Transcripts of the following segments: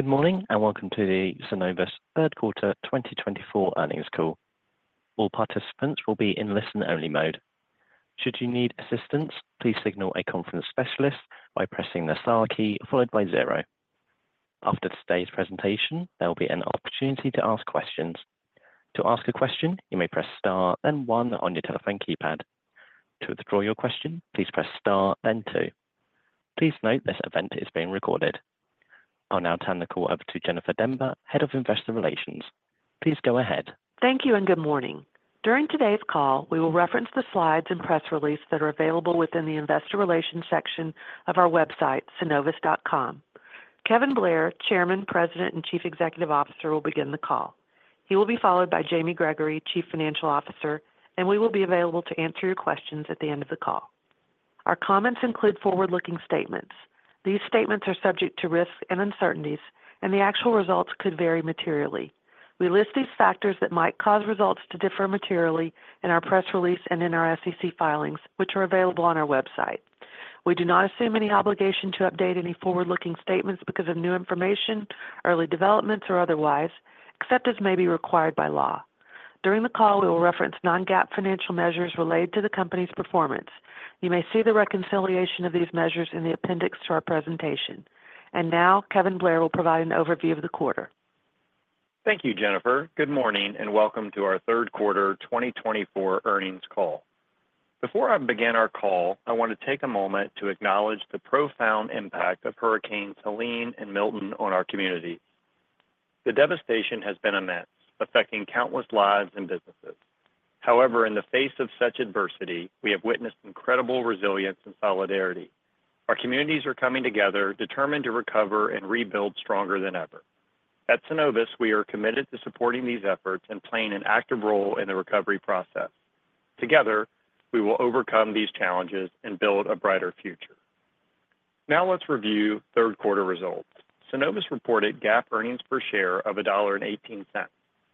Good morning, and welcome to the Synovus third quarter 2024 earnings call. All participants will be in listen-only mode. Should you need assistance, please signal a conference specialist by pressing the star key followed by zero. After today's presentation, there will be an opportunity to ask questions. To ask a question, you may press star and one on your telephone keypad. To withdraw your question, please press star and two. Please note, this event is being recorded. I'll now turn the call over to Jennifer Demba, Head of Investor Relations. Please go ahead. Thank you, and good morning. During today's call, we will reference the slides and press release that are available within the Investor Relations section of our website, synovus.com. Kevin Blair, Chairman, President, and Chief Executive Officer, will begin the call. He will be followed by Jamie Gregory, Chief Financial Officer, and we will be available to answer your questions at the end of the call. Our comments include forward-looking statements. These statements are subject to risks and uncertainties, and the actual results could vary materially. We list these factors that might cause results to differ materially in our press release and in our SEC filings, which are available on our website. We do not assume any obligation to update any forward-looking statements because of new information, early developments, or otherwise, except as may be required by law. During the call, we will reference non-GAAP financial measures related to the company's performance. You may see the reconciliation of these measures in the appendix to our presentation. And now, Kevin Blair will provide an overview of the quarter. Thank you, Jennifer. Good morning, and welcome to our third quarter 2024 earnings call. Before I begin our call, I want to take a moment to acknowledge the profound impact of Hurricane Helene and Milton on our community. The devastation has been immense, affecting countless lives and businesses. However, in the face of such adversity, we have witnessed incredible resilience and solidarity. Our communities are coming together, determined to recover and rebuild stronger than ever. At Synovus, we are committed to supporting these efforts and playing an active role in the recovery process. Together, we will overcome these challenges and build a brighter future. Now let's review third quarter results. Synovus reported GAAP earnings per share of $1.18,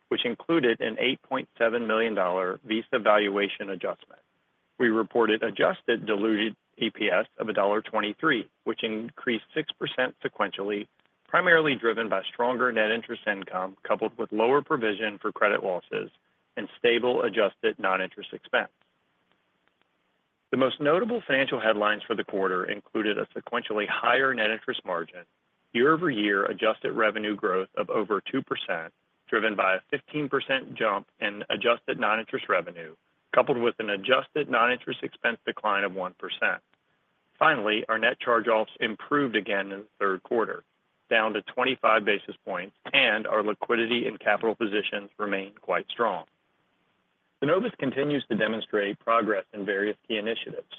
which included an $8.7 million Visa valuation adjustment. We reported adjusted diluted EPS of $1.23, which increased 6% sequentially, primarily driven by stronger net interest income, coupled with lower provision for credit losses and stable adjusted non-interest expense. The most notable financial headlines for the quarter included a sequentially higher net interest margin, year-over-year adjusted revenue growth of over 2%, driven by a 15% jump in adjusted non-interest revenue, coupled with an adjusted non-interest expense decline of 1%. Finally, our net charge-offs improved again in the third quarter, down to 25 basis points, and our liquidity and capital positions remained quite strong. Synovus continues to demonstrate progress in various key initiatives.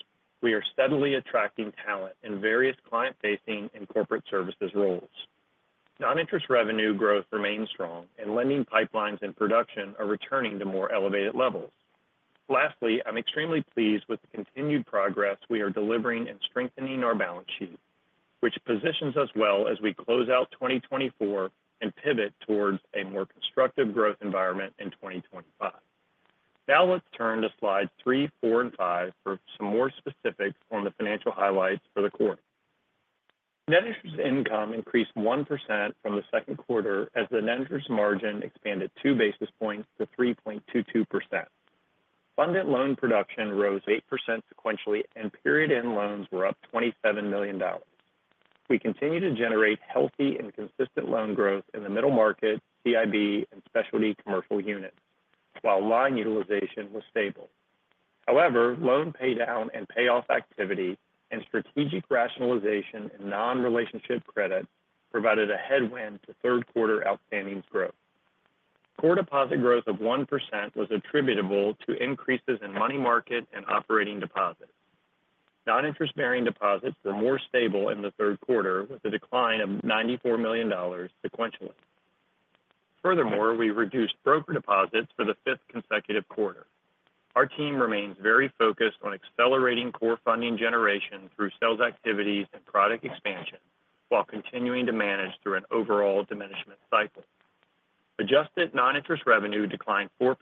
We are steadily attracting talent in various client-facing and corporate services roles. Non-interest revenue growth remains strong, and lending pipelines and production are returning to more elevated levels. Lastly, I'm extremely pleased with the continued progress we are delivering in strengthening our balance sheet, which positions us well as we close out 2024 and pivot towards a more constructive growth environment in 2025. Now let's turn to slides three, four, and five for some more specifics on the financial highlights for the quarter. Net interest income increased 1% from the second quarter as the net interest margin expanded two basis points to 3.22%. Funded loan production rose 8% sequentially, and period-end loans were up $27 million. We continue to generate healthy and consistent loan growth in the Middle Market, CIB, and specialty commercial units, while line utilization was stable. However, loan paydown and payoff activity and strategic rationalization in non-relationship credit provided a headwind to third quarter outstandings growth. Core deposit growth of 1% was attributable to increases in money market and operating deposits. Non-interest-bearing deposits were more stable in the third quarter, with a decline of $94 million sequentially. Furthermore, we reduced broker deposits for the fifth consecutive quarter. Our team remains very focused on accelerating core funding generation through sales activities and product expansion while continuing to manage through an overall diminishment cycle. Adjusted non-interest revenue declined 4%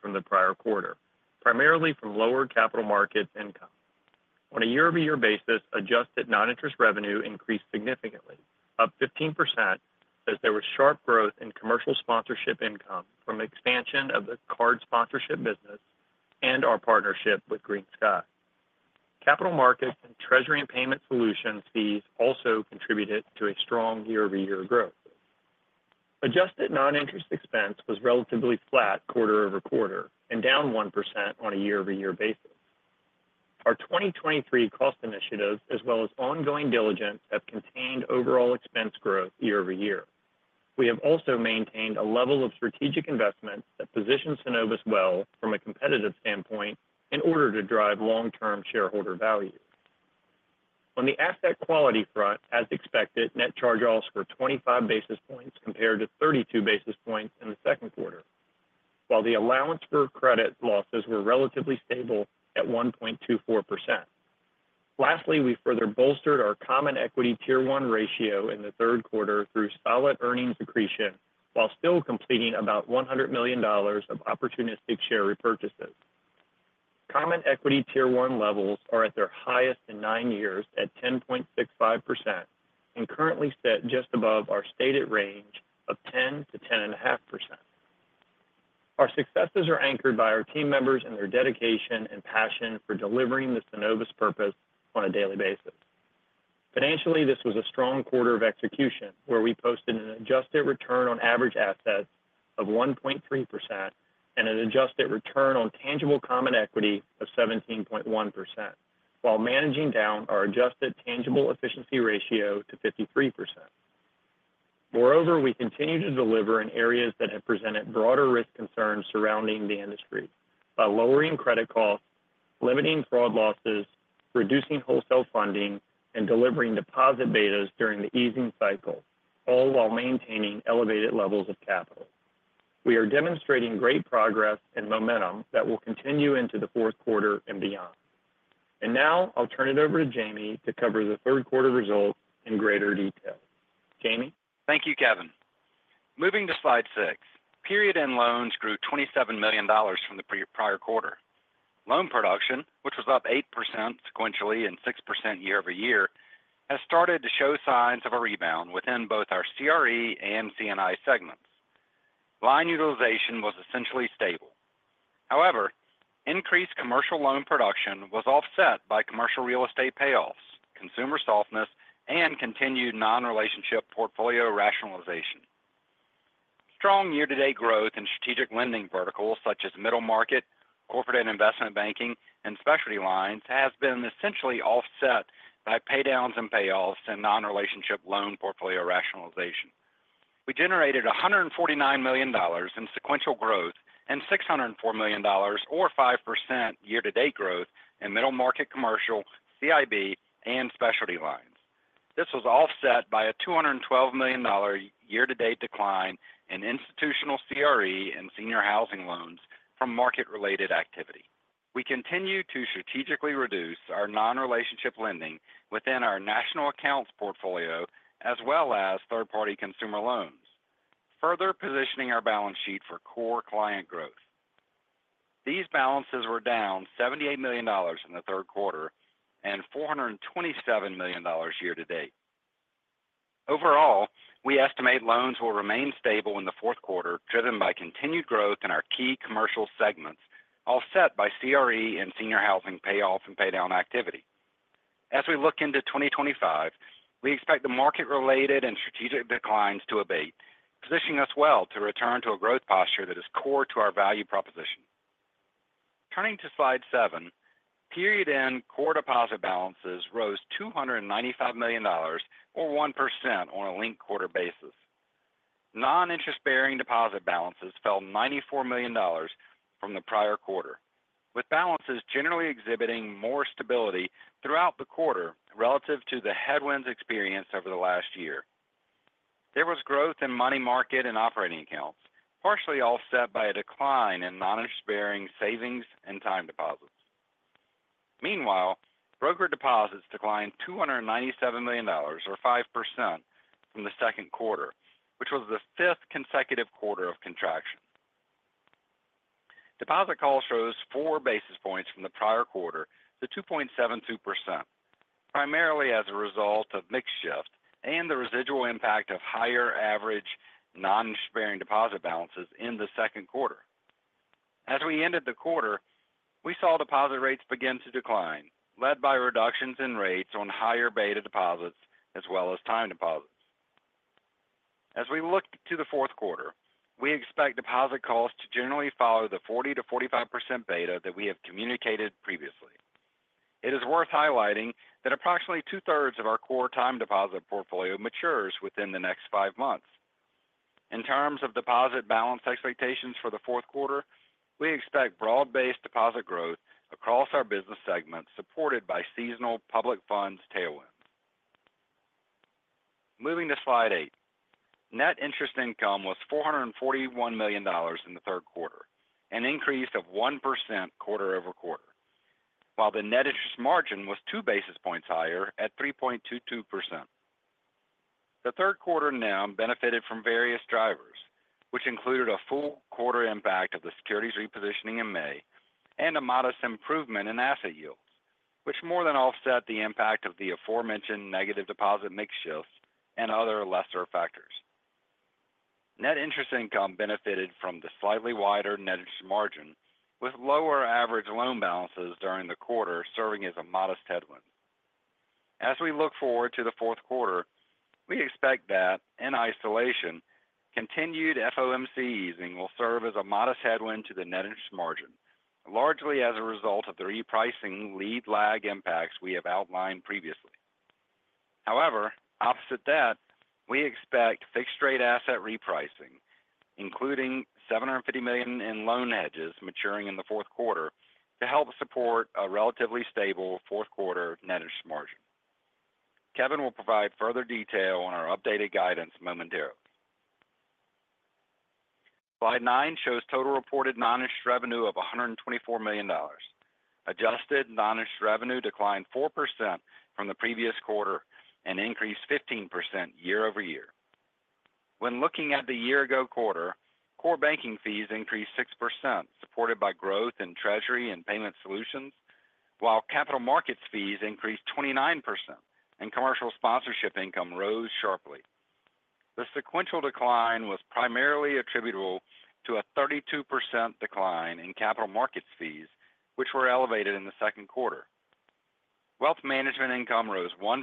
from the prior quarter, primarily from lower capital markets income. On a year-over-year basis, adjusted non-interest revenue increased significantly, up 15%, as there was sharp growth in commercial sponsorship income from expansion of the card sponsorship business and our partnership with GreenSky. Capital markets and Treasury and Payment Solutions fees also contributed to a strong year-over-year growth. Adjusted non-interest expense was relatively flat quarter over quarter and down 1% on a year-over-year basis. Our 2023 cost initiatives, as well as ongoing diligence, have contained overall expense growth year over year. We have also maintained a level of strategic investment that positions Synovus well from a competitive standpoint in order to drive long-term shareholder value. On the asset quality front, as expected, net charge-offs were 25 basis points compared to 32 basis points in the second quarter, while the allowance for credit losses were relatively stable at 1.24%. Lastly, we further bolstered our Common Equity Tier 1 ratio in the third quarter through solid earnings accretion, while still completing about $100 million of opportunistic share repurchases. Common Equity Tier 1 levels are at their highest in nine years at 10.65%, and currently set just above our stated range of 10%-10.5%. Our successes are anchored by our team members and their dedication and passion for delivering the Synovus purpose on a daily basis. Financially, this was a strong quarter of execution, where we posted an adjusted return on average assets of 1.3% and an adjusted return on tangible common equity of 17.1%, while managing down our adjusted tangible efficiency ratio to 53%. Moreover, we continue to deliver in areas that have presented broader risk concerns surrounding the industry by lowering credit costs, limiting fraud losses, reducing wholesale funding, and delivering deposit betas during the easing cycle, all while maintaining elevated levels of capital. We are demonstrating great progress and momentum that will continue into the fourth quarter and beyond. And now I'll turn it over to Jamie to cover the third quarter results in greater detail. Jamie? Thank you, Kevin. Moving to slide six. Period end loans grew $27 million from the prior quarter. Loan production, which was up 8% sequentially and 6% year over year, has started to show signs of a rebound within both our CRE and C&I segments. Line utilization was essentially stable. However, increased commercial loan production was offset by commercial real estate payoffs, consumer softness, and continued non-relationship portfolio rationalization. Strong year-to-date growth in strategic lending verticals such as Middle Market, Corporate and Investment Banking, and specialty lines, has been essentially offset by paydowns and payoffs and non-relationship loan portfolio rationalization. We generated $149 million in sequential growth and $604 million or 5% year-to-date growth in Middle Market commercial, CIB, and specialty lines. This was offset by a $212 million year-to-date decline in institutional CRE and senior housing loans from market-related activity. We continue to strategically reduce our non-relationship lending within our national accounts portfolio, as well as third-party consumer loans, further positioning our balance sheet for core client growth. These balances were down $78 million in the third quarter and $427 million year to date. Overall, we estimate loans will remain stable in the fourth quarter, driven by continued growth in our key commercial segments, offset by CRE and senior housing payoffs and paydown activity. As we look into 2025, we expect the market-related and strategic declines to abate, positioning us well to return to a growth posture that is core to our value proposition. Turning to slide seven, period-end core deposit balances rose $295 million, or 1% on a linked-quarter basis. Non-interest-bearing deposit balances fell $94 million from the prior quarter, with balances generally exhibiting more stability throughout the quarter relative to the headwinds experienced over the last year. There was growth in money market and operating accounts, partially offset by a decline in non-interest-bearing savings and time deposits. Meanwhile, broker deposits declined $297 million or 5% from the second quarter, which was the fifth consecutive quarter of contraction. Deposit cost rose four basis points from the prior quarter to 2.72%, primarily as a result of mix shift and the residual impact of higher average non-interest-bearing deposit balances in the second quarter. As we ended the quarter, we saw deposit rates begin to decline, led by reductions in rates on higher beta deposits as well as time deposits. As we look to the fourth quarter, we expect deposit costs to generally follow the 40%-45% beta that we have communicated previously. It is worth highlighting that approximately two-thirds of our core time deposit portfolio matures within the next five months. In terms of deposit balance expectations for the fourth quarter, we expect broad-based deposit growth across our business segments, supported by seasonal public funds tailwinds. Moving to slide eight. Net interest income was $441 million in the third quarter, an increase of 1% quarter over quarter, while the net interest margin was two basis points higher at 3.22%. The third quarter now benefited from various drivers, which included a full quarter impact of the securities repositioning in May and a modest improvement in asset yields, which more than offset the impact of the aforementioned negative deposit mix shifts and other lesser factors. Net interest income benefited from the slightly wider net interest margin, with lower average loan balances during the quarter serving as a modest headwind. As we look forward to the fourth quarter, we expect that, in isolation, continued FOMC easing will serve as a modest headwind to the net interest margin, largely as a result of the repricing lead lag impacts we have outlined previously. However, opposite that, we expect fixed rate asset repricing, including $750 million in loan hedges maturing in the fourth quarter, to help support a relatively stable fourth quarter net interest margin. Kevin will provide further detail on our updated guidance momentarily. Slide nine shows total reported non-interest revenue of $124 million. Adjusted non-interest revenue declined 4% from the previous quarter and increased 15% year over year. When looking at the year ago quarter, core banking fees increased 6%, supported by growth in Treasury and Payment Solutions, while capital markets fees increased 29% and commercial sponsorship income rose sharply. The sequential decline was primarily attributable to a 32% decline in capital markets fees, which were elevated in the second quarter. Wealth management income rose 1%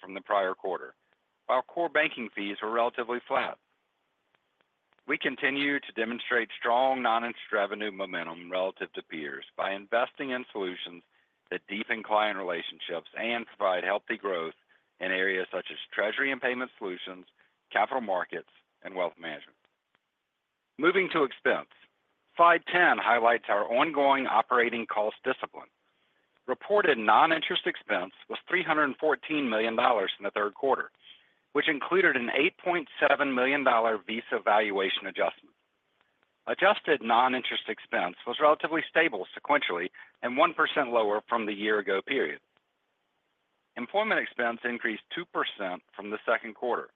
from the prior quarter, while core banking fees were relatively flat. We continue to demonstrate strong non-interest revenue momentum relative to peers by investing in solutions that deepen client relationships and provide healthy growth in areas such as Treasury and Payment Solutions, capital markets, and wealth management. Moving to expense. Slide 10 highlights our ongoing operating cost discipline. Reported non-interest expense was $314 million in the third quarter, which included an $8.7 million Visa valuation adjustment. Adjusted non-interest expense was relatively stable sequentially and 1% lower from the year ago period. Employment expense increased 2% from the second quarter,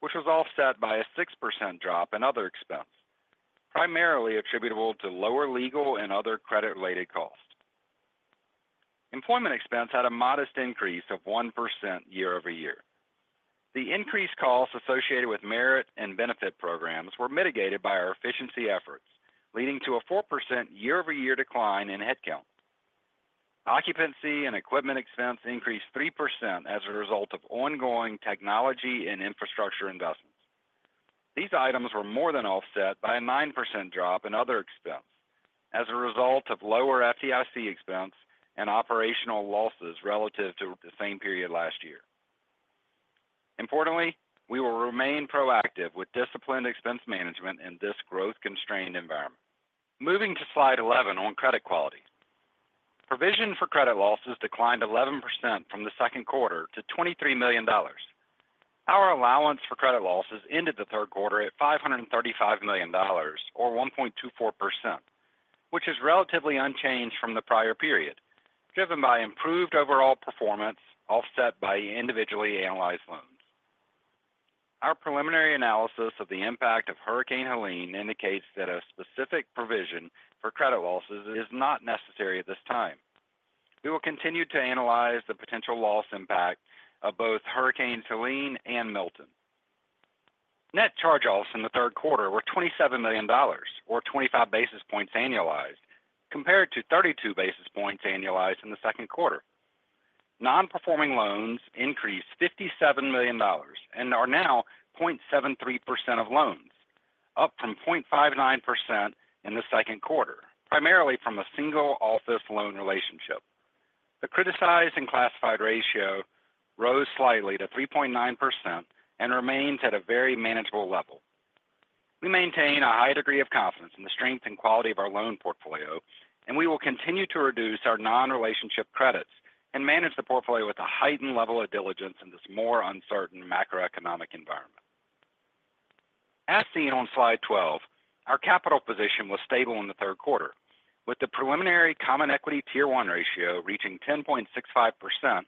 which was offset by a 6% drop in other expense, primarily attributable to lower legal and other credit-related costs. Employment expense had a modest increase of 1% year over year. The increased costs associated with merit and benefit programs were mitigated by our efficiency efforts, leading to a 4% year-over-year decline in headcount. Occupancy and equipment expense increased 3% as a result of ongoing technology and infrastructure investments. These items were more than offset by a 9% drop in other expense as a result of lower FDIC expense and operational losses relative to the same period last year. Importantly, we will remain proactive with disciplined expense management in this growth-constrained environment. Moving to slide 11 on credit quality. Provision for credit losses declined 11% from the second quarter to $23 million. Our allowance for credit losses ended the third quarter at $535 million, or 1.24%, which is relatively unchanged from the prior period, driven by improved overall performance, offset by individually analyzed loans. Our preliminary analysis of the impact of Hurricane Helene indicates that a specific provision for credit losses is not necessary at this time. We will continue to analyze the potential loss impact of both Hurricanes Helene and Milton. Net charge-offs in the third quarter were $27 million, or 25 basis points annualized, compared to 32 basis points annualized in the second quarter. Non-performing loans increased $57 million and are now 0.73% of loans, up from 0.59% in the second quarter, primarily from a single office loan relationship. The criticized and classified ratio rose slightly to 3.9% and remains at a very manageable level. We maintain a high degree of confidence in the strength and quality of our loan portfolio, and we will continue to reduce our non-relationship credits and manage the portfolio with a heightened level of diligence in this more uncertain macroeconomic environment. As seen on slide 12, our capital position was stable in the third quarter, with the preliminary Common Equity Tier 1 ratio reaching 10.65%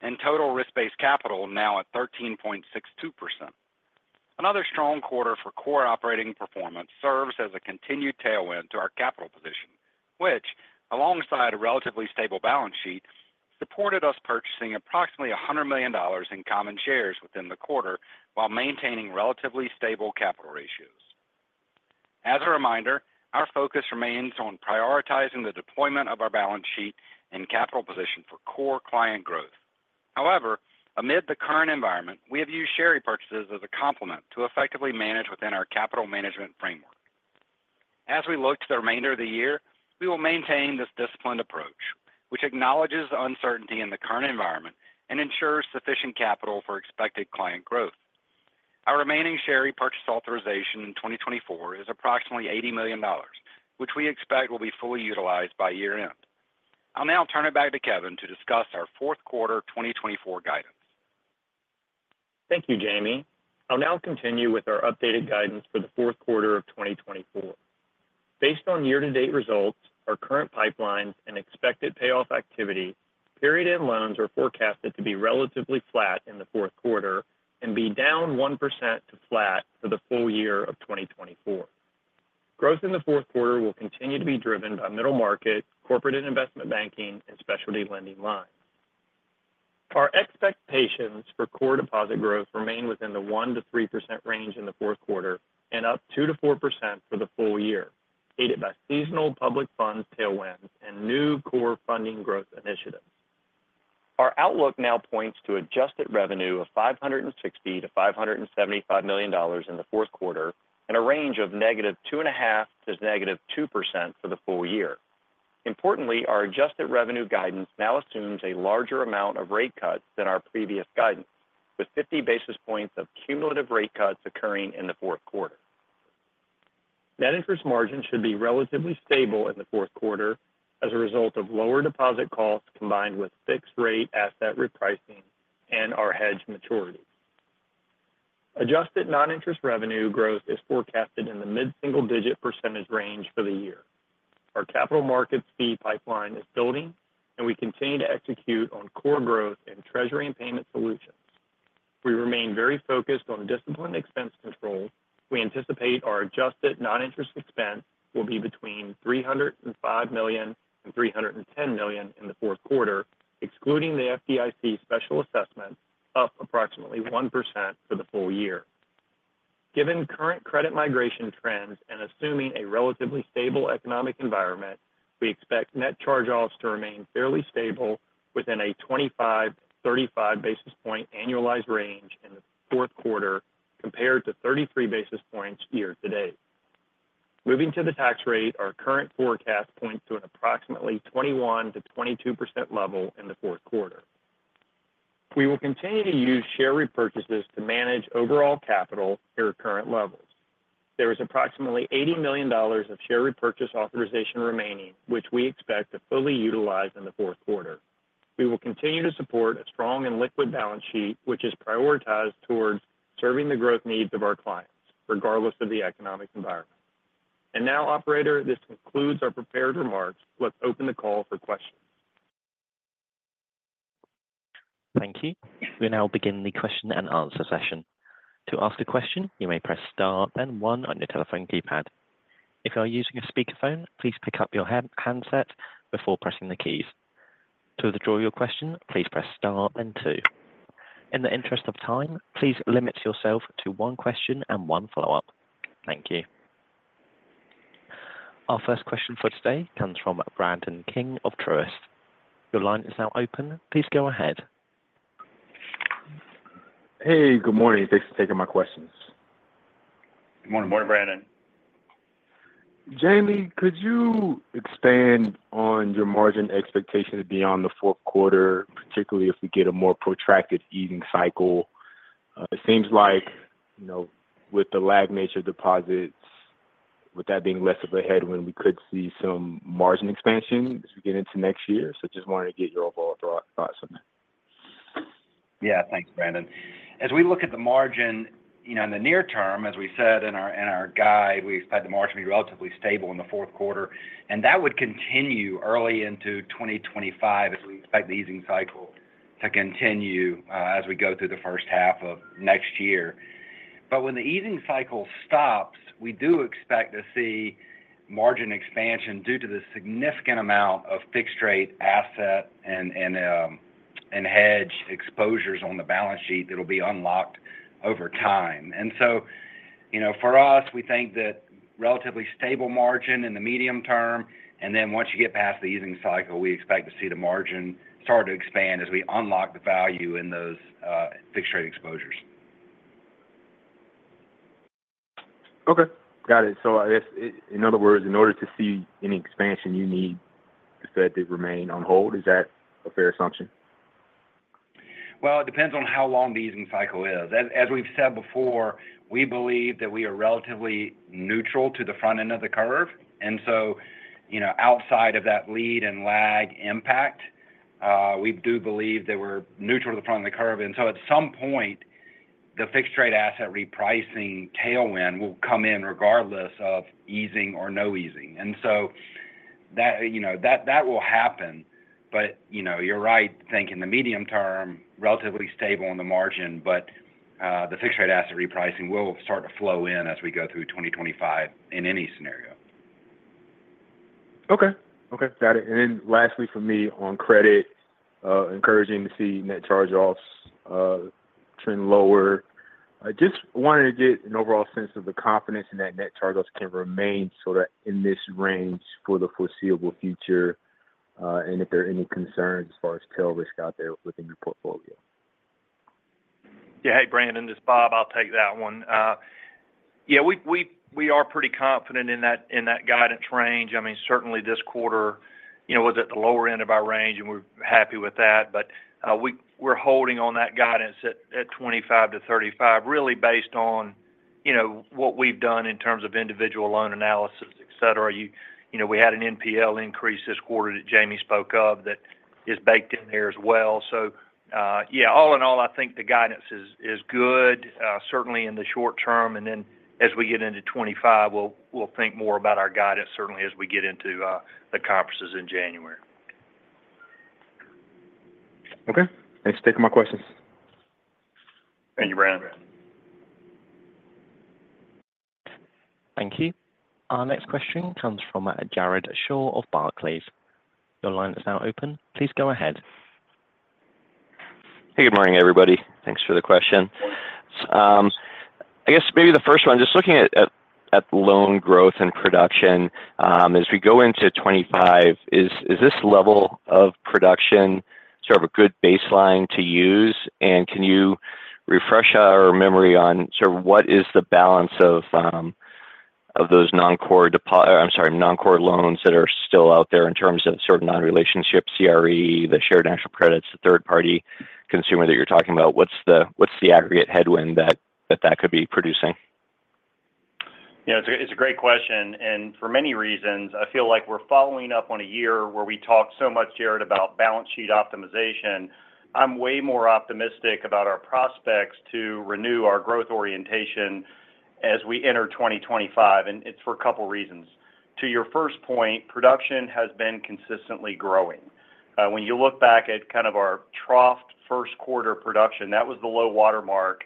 and total risk-based capital now at 13.62%. Another strong quarter for core operating performance serves as a continued tailwind to our capital position, which, alongside a relatively stable balance sheet, supported us purchasing approximately $100 million in common shares within the quarter while maintaining relatively stable capital ratios. As a reminder, our focus remains on prioritizing the deployment of our balance sheet and capital position for core client growth. However, amid the current environment, we have used share repurchases as a complement to effectively manage within our capital management framework. As we look to the remainder of the year, we will maintain this disciplined approach, which acknowledges the uncertainty in the current environment and ensures sufficient capital for expected client growth. Our remaining share repurchase authorization in 2024 is approximately $80 million, which we expect will be fully utilized by year-end. I'll now turn it back to Kevin to discuss our fourth quarter 2024 guidance. Thank you, Jamie. I'll now continue with our updated guidance for the fourth quarter of 2024. Based on year-to-date results, our current pipelines and expected payoff activity, period-end loans are forecasted to be relatively flat in the fourth quarter and be down 1% to flat for the full year of 2024. Growth in the fourth quarter will continue to be driven by Middle Market, Corporate and Investment Banking, and Specialty Lending lines. Our expectations for core deposit growth remain within the 1% to 3% range in the fourth quarter and up 2% to 4% for the full year, aided by seasonal public funds tailwinds and new core funding growth initiatives. Our outlook now points to adjusted revenue of $560 million-$575 million in the fourth quarter and a range of -2.5% to -2% for the full year. Importantly, our adjusted revenue guidance now assumes a larger amount of rate cuts than our previous guidance, with 50 basis points of cumulative rate cuts occurring in the fourth quarter. Net Interest Margin should be relatively stable in the fourth quarter as a result of lower deposit costs, combined with fixed rate asset repricing and our hedge maturity. Adjusted non-interest revenue growth is forecasted in the mid-single-digit % range for the year.... Our capital markets fee pipeline is building, and we continue to execute on core growth in Treasury and Payment Solutions. We remain very focused on disciplined expense control. We anticipate our adjusted non-interest expense will be between $305 million and $310 million in the fourth quarter, excluding the FDIC special assessment, up approximately 1% for the full year. Given current credit migration trends and assuming a relatively stable economic environment, we expect net charge-offs to remain fairly stable within a 25-35 basis point annualized range in the fourth quarter, compared to 33 basis points year to date. Moving to the tax rate, our current forecast points to an approximately 21% to 22% level in the fourth quarter. We will continue to use share repurchases to manage overall capital at our current levels. There is approximately $80 million of share repurchase authorization remaining, which we expect to fully utilize in the fourth quarter. We will continue to support a strong and liquid balance sheet, which is prioritized towards serving the growth needs of our clients, regardless of the economic environment. Now, operator, this concludes our prepared remarks. Let's open the call for questions. Thank you. We'll now begin the question and answer session. To ask a question, you may press Star, then one on your telephone keypad. If you are using a speakerphone, please pick up your handset before pressing the keys. To withdraw your question, please press Star, then two. In the interest of time, please limit yourself to one question and one follow-up. Thank you. Our first question for today comes from Brandon King of Truist. Your line is now open. Please go ahead. Hey, good morning. Thanks for taking my questions. Good morning, Brandon. Jamie, could you expand on your margin expectation beyond the fourth quarter, particularly if we get a more protracted easing cycle? It seems like, you know, with the lagged nature of deposits, with that being less of a headwind, we could see some margin expansion as we get into next year. So just wanted to get your overall thoughts on that. Yeah, thanks, Brandon. As we look at the margin, you know, in the near term, as we said in our guide, we expect the margin to be relatively stable in the fourth quarter, and that would continue early into 2025 as we expect the easing cycle to continue as we go through the first half of next year. But when the easing cycle stops, we do expect to see margin expansion due to the significant amount of fixed rate asset and hedge exposures on the balance sheet that will be unlocked over time. And so, you know, for us, we think that relatively stable margin in the medium term, and then once you get past the easing cycle, we expect to see the margin start to expand as we unlock the value in those fixed-rate exposures. Okay. Got it. So I guess, in other words, in order to see any expansion, you need the Fed to remain on hold. Is that a fair assumption? It depends on how long the easing cycle is. As we've said before, we believe that we are relatively neutral to the front end of the curve, and so, you know, outside of that lead and lag impact, we do believe that we're neutral to the front of the curve, and so at some point, the fixed rate asset repricing tailwind will come in regardless of easing or no easing, and so that, you know, will happen, but, you know, you're right to think in the medium term, relatively stable on the margin, but, the fixed rate asset repricing will start to flow in as we go through 2025 in any scenario. Okay. Okay, got it. And then lastly, for me on credit, encouraging to see net charge-offs trend lower. I just wanted to get an overall sense of the confidence in that net charge-offs can remain sort of in this range for the foreseeable future, and if there are any concerns as far as tail risk out there within your portfolio? Yeah. Hey, Brandon, this is Bob. I'll take that one. Yeah, we are pretty confident in that guidance range. I mean, certainly this quarter, you know, was at the lower end of our range, and we're happy with that. But, we're holding on that guidance at 25 to 35, really based on, you know, what we've done in terms of individual loan analysis, et cetera. You know, we had an NPL increase this quarter that Jamie spoke of that is baked in there as well. So, yeah, all in all, I think the guidance is good, certainly in the short term, and then as we get into 2025, we'll think more about our guidance, certainly as we get into the conferences in January. Okay. Thanks for taking my questions. Thank you, Brandon. Thank you. Our next question comes from Jared Shaw of Barclays. Your line is now open. Please go ahead. Hey, good morning, everybody. Thanks for the question. I guess maybe the first one, just looking at loan growth and production, as we go into 2025, is this level of production sort of a good baseline to use? And can you refresh our memory on sort of what is the balance of those non-core deposit—I'm sorry, non-core loans that are still out there in terms of sort of non-relationship, CRE, the shared national credits, the third-party consumer that you're talking about, what's the aggregate headwind that that could be producing? You know, it's a, it's a great question, and for many reasons, I feel like we're following up on a year where we talked so much, Jared, about balance sheet optimization. I'm way more optimistic about our prospects to renew our growth orientation as we enter 2025, and it's for a couple of reasons. To your first point, production has been consistently growing.... when you look back at kind of our troughed first quarter production, that was the low water mark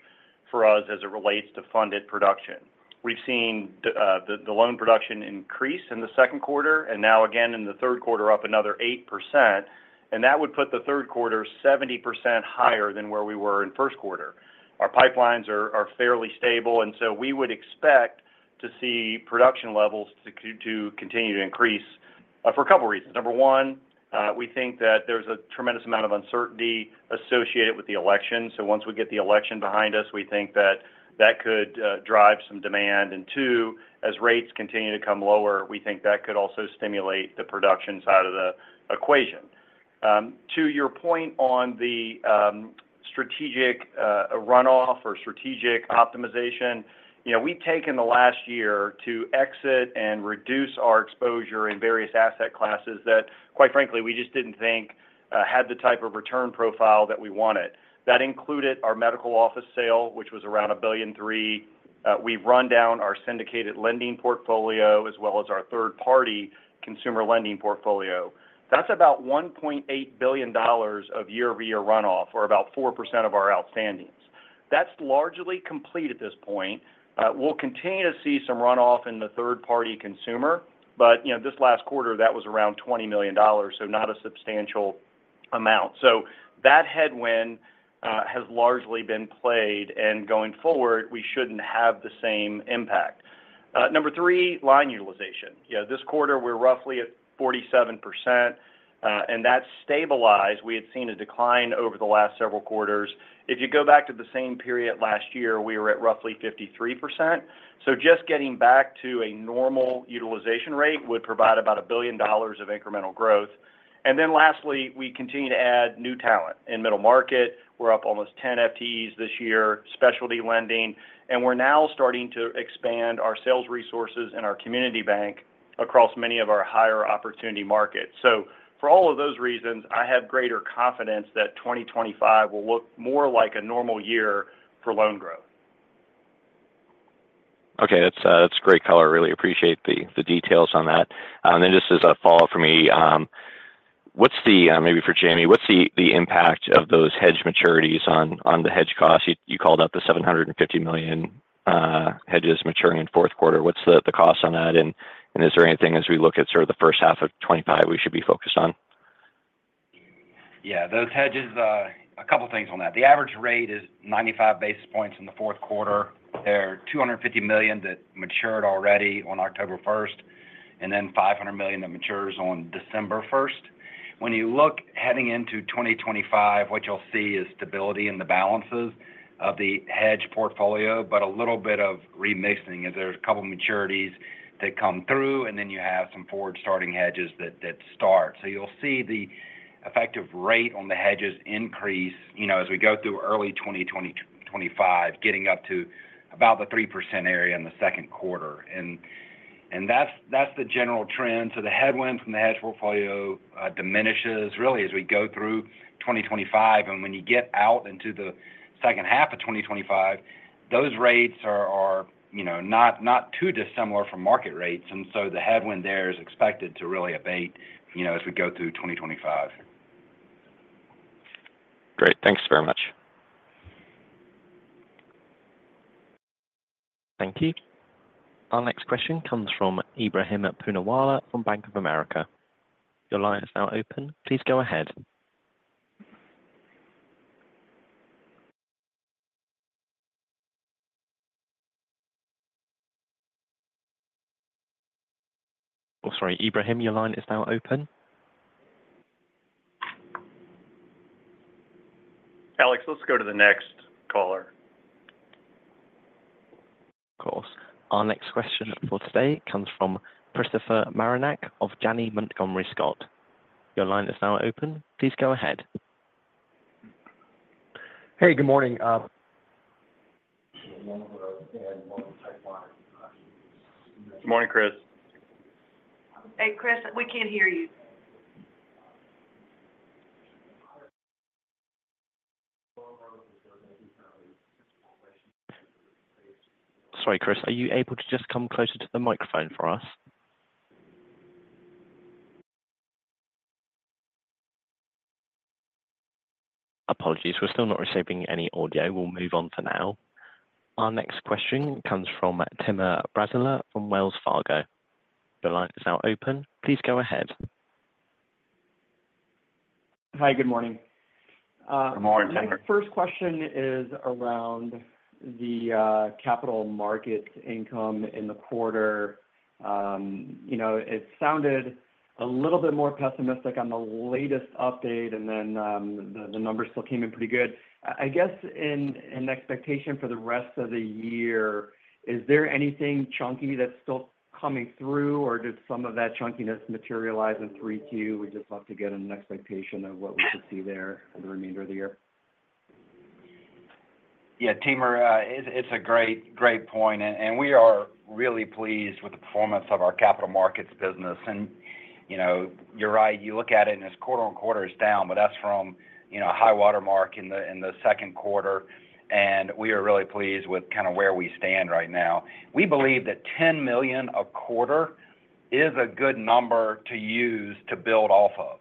for us as it relates to funded production. We've seen the loan production increase in the second quarter, and now again in the third quarter, up another 8%, and that would put the third quarter 70% higher than where we were in first quarter. Our pipelines are fairly stable, and so we would expect to see production levels to continue to increase for a couple reasons. Number one, we think that there's a tremendous amount of uncertainty associated with the election. So once we get the election behind us, we think that that could drive some demand. And two, as rates continue to come lower, we think that could also stimulate the production side of the equation. To your point on the strategic runoff or strategic optimization, you know, we've taken the last year to exit and reduce our exposure in various asset classes that, quite frankly, we just didn't think had the type of return profile that we wanted. That included our medical office sale, which was around $1.3 billion. We've run down our syndicated lending portfolio, as well as our third-party consumer lending portfolio. That's about $1.8 billion of year-over-year runoff, or about 4% of our outstandings. That's largely complete at this point. We'll continue to see some runoff in the third-party consumer, but, you know, this last quarter, that was around $20 million, so not a substantial amount. So that headwind has largely been played, and going forward, we shouldn't have the same impact. Number three, line utilization. Yeah, this quarter, we're roughly at 47%, and that's stabilized. We had seen a decline over the last several quarters. If you go back to the same period last year, we were at roughly 53%. So just getting back to a normal utilization rate would provide about $1 billion of incremental growth. And then lastly, we continue to add new talent. In Middle Market, we're up almost ten FTEs this year, Specialty Lending, and we're now starting to expand our sales resources and our community bank across many of our higher opportunity markets. So for all of those reasons, I have greater confidence that 2025 will look more like a normal year for loan growth. Okay, that's great color. Really appreciate the details on that. And then just as a follow-up for me, what's the maybe for Jamie, what's the impact of those hedge maturities on the hedge costs? You called out the $750 million hedges maturing in fourth quarter. What's the cost on that, and is there anything as we look at sort of the first half of twenty-five we should be focused on? Yeah. Those hedges, a couple of things on that. The average rate is 95 basis points in the fourth quarter. There are $250 million that matured already on October first, and then $500 million that matures on December first. When you look heading into 2025, what you'll see is stability in the balances of the hedge portfolio, but a little bit of remixing, as there's a couple maturities that come through, and then you have some forward-starting hedges that start. So you'll see the effective rate on the hedges increase, you know, as we go through early 2025, getting up to about the 3% area in the second quarter. And that's the general trend. So the headwind from the hedge portfolio diminishes really as we go through 2025, and when you get out into the second half of 2025, those rates are, you know, not too dissimilar from market rates, and so the headwind there is expected to really abate, you know, as we go through 2025. Great. Thanks very much. Thank you. Our next question comes from Ebrahim Poonawala from Bank of America. Your line is now open. Please go ahead. Oh, sorry, Ebrahim, your line is now open. Alex, let's go to the next caller. Of course. Our next question for today comes from Christopher Marinac of Janney Montgomery Scott. Your line is now open. Please go ahead. Hey, good morning. Good morning, Chris. Hey, Chris, we can't hear you. Sorry, Chris. Are you able to just come closer to the microphone for us? Apologies, we're still not receiving any audio. We'll move on for now. Our next question comes from Timur Braziler from Wells Fargo. Your line is now open. Please go ahead. Hi, good morning. Good morning, Timur. My first question is around the capital markets income in the quarter. You know, it sounded a little bit more pessimistic on the latest update, and then the numbers still came in pretty good. I guess in expectation for the rest of the year, is there anything chunky that's still coming through, or did some of that chunkiness materialize in 3Q? We'd just love to get an expectation of what we could see there for the remainder of the year. Yeah, Timur, it's a great point, and we are really pleased with the performance of our capital markets business. You know, you're right, you look at it, and it's quarter on quarter is down, but that's from a high-water mark in the second quarter, and we are really pleased with kind of where we stand right now. We believe that $10 million a quarter is a good number to use to build off of.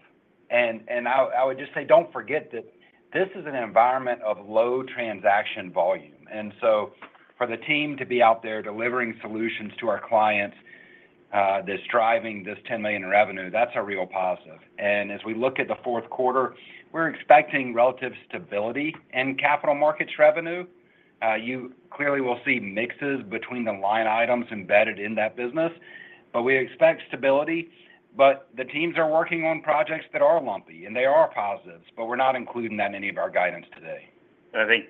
I would just say, don't forget that this is an environment of low transaction volume, and so for the team to be out there delivering solutions to our clients, that's driving this $10 million in revenue, that's a real positive. As we look at the fourth quarter, we're expecting relative stability in capital markets revenue. You clearly will see mixes between the line items embedded in that business, but we expect stability, but the teams are working on projects that are lumpy, and they are positives, but we're not including that in any of our guidance today. I think,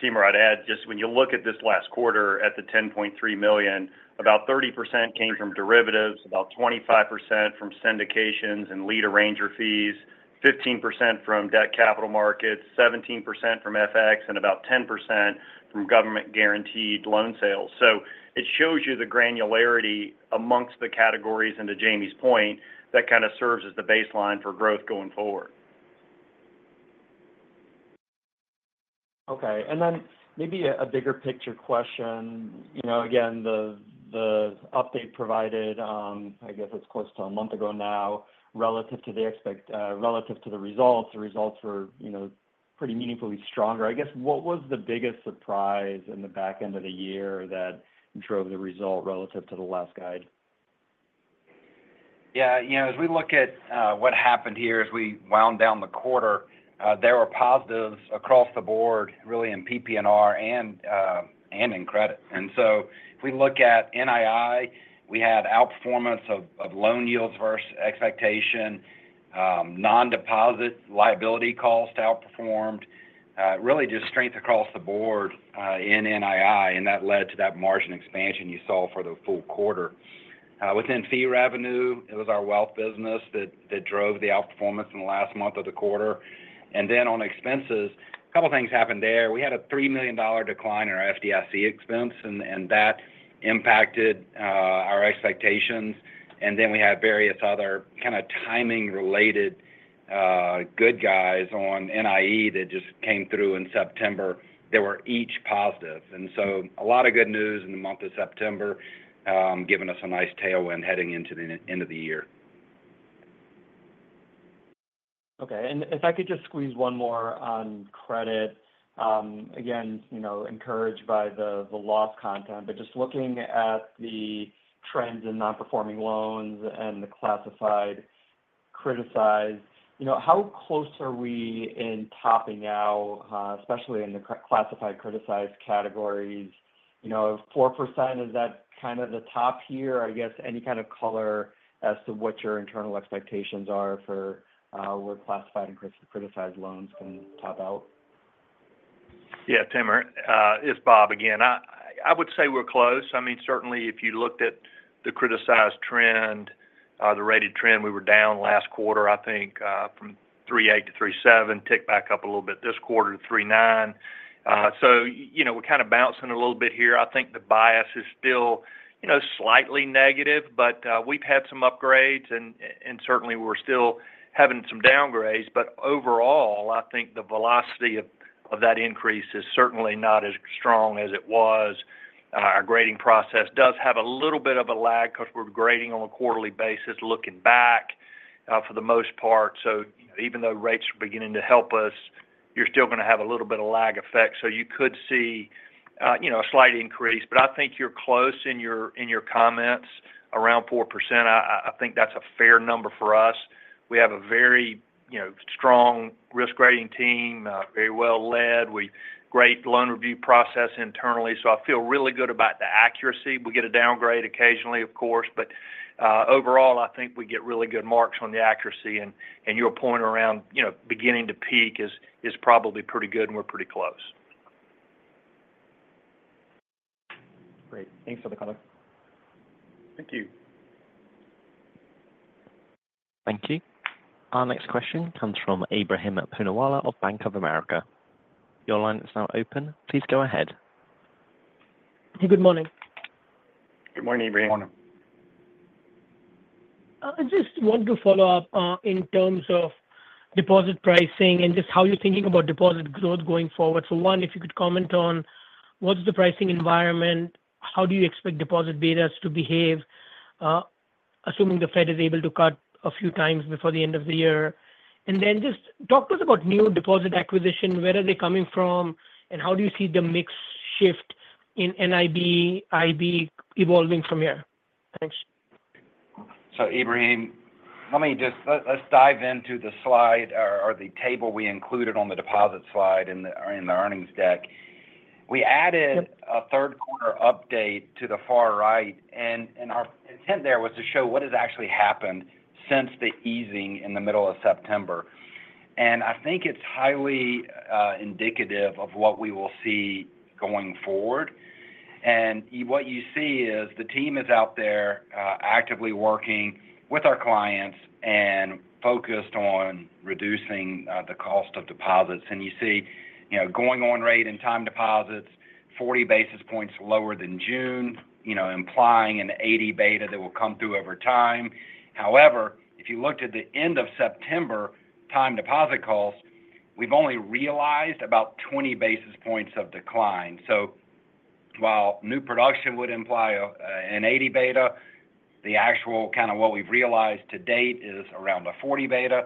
Timur, I'd add, just when you look at this last quarter, at the $10.3 million, about 30% came from derivatives, about 25% from syndications and lead arranger fees, 15% from debt capital markets, 17% from FX, and about 10% from government-guaranteed loan sales. So it shows you the granularity among the categories, and to Jamie's point, that kind of serves as the baseline for growth going forward. Okay. And then maybe a bigger picture question. You know, again, the update provided, I guess it's close to a month ago now, relative to the results. The results were, you know, pretty meaningfully stronger. I guess, what was the biggest surprise in the back end of the year that drove the result relative to the last guide? Yeah, you know, as we look at what happened here, as we wound down the quarter, there were positives across the board, really in PPNR and, and in credit. And so if we look at NII, we had outperformance of, of loan yields versus expectation, non-deposit liability costs outperformed, really just strength across the board, in NII, and that led to that margin expansion you saw for the full quarter. Within fee revenue, it was our wealth business that drove the outperformance in the last month of the quarter. And then on expenses, a couple of things happened there. We had a $3 million decline in our FDIC expense, and, and that impacted our expectations. And then we had various other kind of timing-related, good guys on NIE that just came through in September that were each positive. And so a lot of good news in the month of September, giving us a nice tailwind heading into the end of the year. Okay, and if I could just squeeze one more on credit. Again, you know, encouraged by the loss content, but just looking at the trends in non-performing loans and the classified criticized, you know, how close are we to topping out, especially in the classified criticized categories? You know, 4%, is that kind of the top here? I guess, any kind of color as to what your internal expectations are for where classified and criticized loans can top out? Yeah, Timur, it's Bob again. I would say we're close. I mean, certainly, if you looked at the criticized trend, the rated trend, we were down last quarter, I think, from three eight to three seven, ticked back up a little bit this quarter to three nine. So, you know, we're kind of bouncing a little bit here. I think the bias is still, you know, slightly negative, but, we've had some upgrades, and, and certainly we're still having some downgrades. But overall, I think the velocity of, of that increase is certainly not as strong as it was. Our grading process does have a little bit of a lag because we're grading on a quarterly basis, looking back, for the most part. So even though rates are beginning to help us, you're still going to have a little bit of lag effect. So you could see, you know, a slight increase, but I think you're close in your, in your comments, around 4%. I, I think that's a fair number for us. We have a very, you know, strong risk grading team, very well led. We have great loan review process internally, so I feel really good about the accuracy. We get a downgrade occasionally, of course, but, overall, I think we get really good marks on the accuracy, and, and your point around, you know, beginning to peak is, is probably pretty good, and we're pretty close. Great. Thanks for the comment. Thank you. Thank you. Our next question comes from Ebrahim Poonawala of Bank of America. Your line is now open. Please go ahead. Good morning. Good morning, Ebrahim. Good morning. I just want to follow up, in terms of deposit pricing and just how you're thinking about deposit growth going forward. So one, if you could comment on what's the pricing environment, how do you expect deposit betas to behave, assuming the Fed is able to cut a few times before the end of the year? And then just talk to us about new deposit acquisition. Where are they coming from, and how do you see the mix shift in NIB, IB evolving from here? Thanks. So, Ebrahim, let me just let’s dive into the slide or the table we included on the deposit slide in the earnings deck. We added a third quarter update to the far right, and our intent there was to show what has actually happened since the easing in the middle of September. And I think it’s highly indicative of what we will see going forward. And what you see is the team is out there actively working with our clients and focused on reducing the cost of deposits. And you see, you know, going on rate and time deposits, forty basis points lower than June, you know, implying an eighty beta that will come through over time. However, if you looked at the end of September time deposit costs, we’ve only realized about twenty basis points of decline. So... while new production would imply an 80 beta, the actual kind of what we've realized to date is around a 40 beta.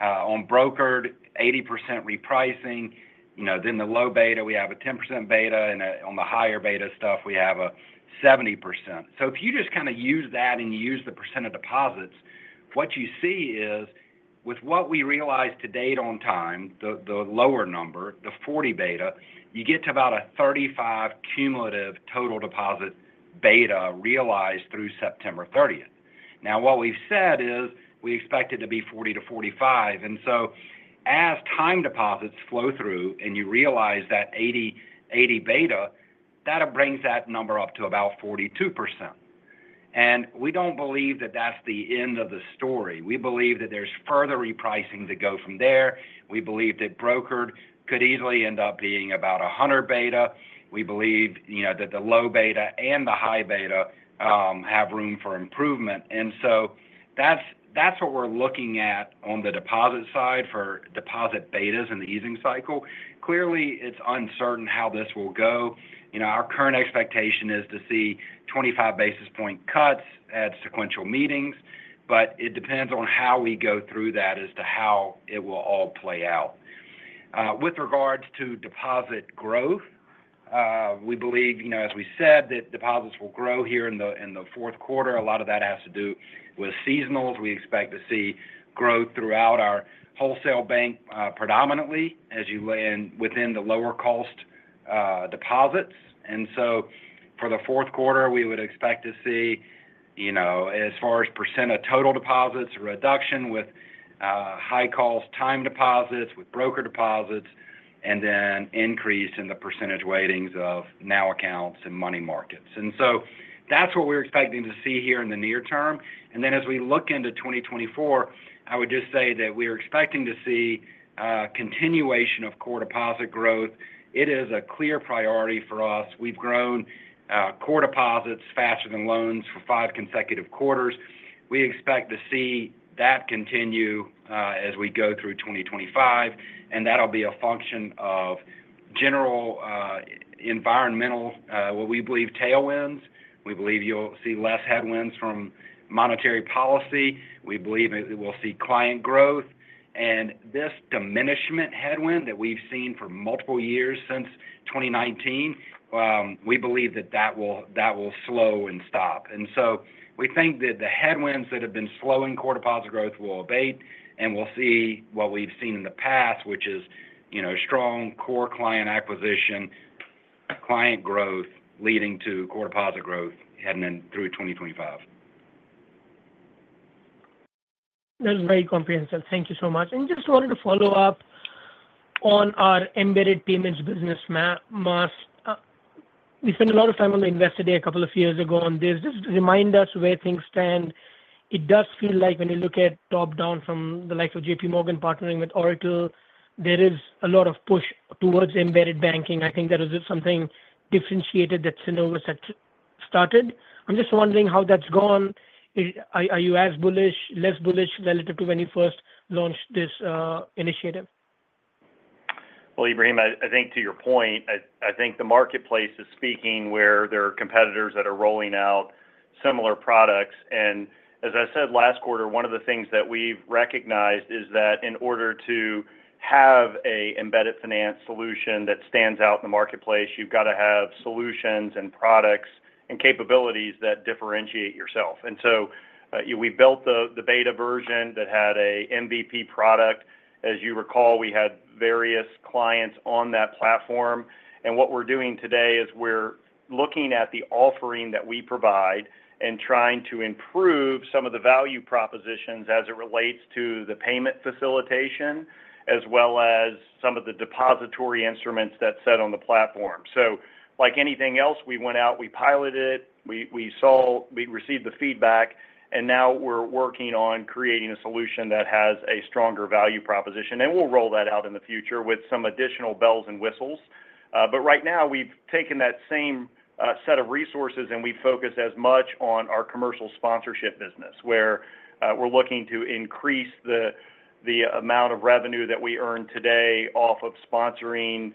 On brokered, 80% repricing, you know, then the low beta, we have a 10% beta, and on the higher beta stuff, we have a 70%. So if you just kind of use that and you use the percent of deposits, what you see is with what we realize to date on time, the lower number, the 40 beta, you get to about a 35 cumulative total deposit beta realized through September thirtieth. Now, what we've said is, we expect it to be 40 to 45, and so as time deposits flow through and you realize that 80 beta, that brings that number up to about 42%. And we don't believe that that's the end of the story. We believe that there's further repricing to go from there. We believe that brokered could easily end up being about a hundred beta. We believe, you know, that the low beta and the high beta have room for improvement. And so that's, that's what we're looking at on the deposit side for deposit betas in the easing cycle. Clearly, it's uncertain how this will go. You know, our current expectation is to see twenty-five basis point cuts at sequential meetings, but it depends on how we go through that as to how it will all play out. With regards to deposit growth, we believe, you know, as we said, that deposits will grow here in the, in the fourth quarter. A lot of that has to do with seasonals. We expect to see growth throughout our wholesale bank, predominantly as you land within the lower cost, deposits. And so for the fourth quarter, we would expect to see, you know, as far as percent of total deposits, a reduction with, high cost time deposits, with broker deposits, and then increase in the percentage weightings of NOW accounts and money markets. And so that's what we're expecting to see here in the near term. And then as we look into 2024, I would just say that we're expecting to see a continuation of core deposit growth. It is a clear priority for us. We've grown, core deposits faster than loans for five consecutive quarters. We expect to see that continue, as we go through 2025, and that'll be a function of general, environmental, what we believe, tailwinds. We believe you'll see less headwinds from monetary policy. We believe that we will see client growth. And this diminishment headwind that we've seen for multiple years, since 2019, we believe that that will slow and stop. And so we think that the headwinds that have been slowing core deposit growth will abate, and we'll see what we've seen in the past, which is, you know, strong core client acquisition, client growth leading to core deposit growth heading in through 2025. That's very comprehensive. Thank you so much. And just wanted to follow up on our embedded payments business, Maast. We spent a lot of time on the Investor Day a couple of years ago on this. Just remind us where things stand. It does feel like when you look at top down from the likes of JPMorgan partnering with Oracle, there is a lot of push towards embedded banking. I think that is just something differentiated that Synovus had started. I'm just wondering how that's gone. Are you as bullish, less bullish, relative to when you first launched this initiative? Well, Ebrahim, I think to your point, I think the marketplace is speaking where there are competitors that are rolling out similar products. And as I said last quarter, one of the things that we've recognized is that in order to have a embedded finance solution that stands out in the marketplace, you've got to have solutions and products and capabilities that differentiate yourself. And so, we built the beta version that had a MVP product. As you recall, we had various clients on that platform, and what we're doing today is we're looking at the offering that we provide and trying to improve some of the value propositions as it relates to the payment facilitation, as well as some of the depository instruments that sit on the platform. So like anything else, we went out, we piloted it, we saw, we received the feedback, and now we're working on creating a solution that has a stronger value proposition. And we'll roll that out in the future with some additional bells and whistles. But right now, we've taken that same set of resources, and we focus as much on our commercial sponsorship business, where we're looking to increase the amount of revenue that we earn today off of sponsoring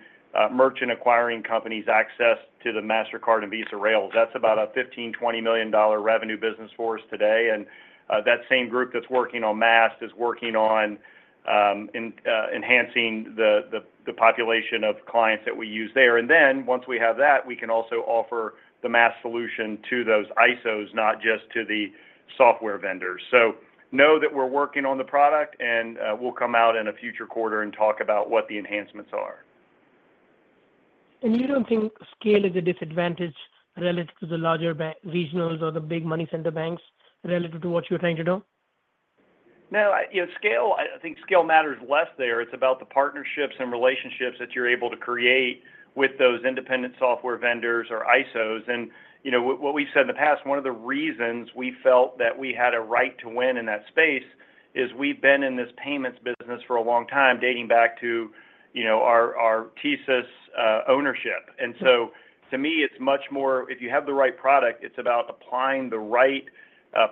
merchant acquiring companies access to the Mastercard and Visa rails. That's about a $15-$20 million revenue business for us today. And that same group that's working on Maast is working on enhancing the population of clients that we use there. Then once we have that, we can also offer the Maast solution to those ISOs, not just to the software vendors. Know that we're working on the product, and we'll come out in a future quarter and talk about what the enhancements are. And you don't think scale is a disadvantage relative to the larger bank, regionals or the big money center banks, relative to what you're trying to do? No. You know, scale. I think scale matters less there. It's about the partnerships and relationships that you're able to create with those independent software vendors or ISOs. And you know, what we've said in the past, one of the reasons we felt that we had a right to win in that space-... is we've been in this payments business for a long time, dating back to, you know, our TSYS ownership. And so to me, it's much more, if you have the right product, it's about applying the right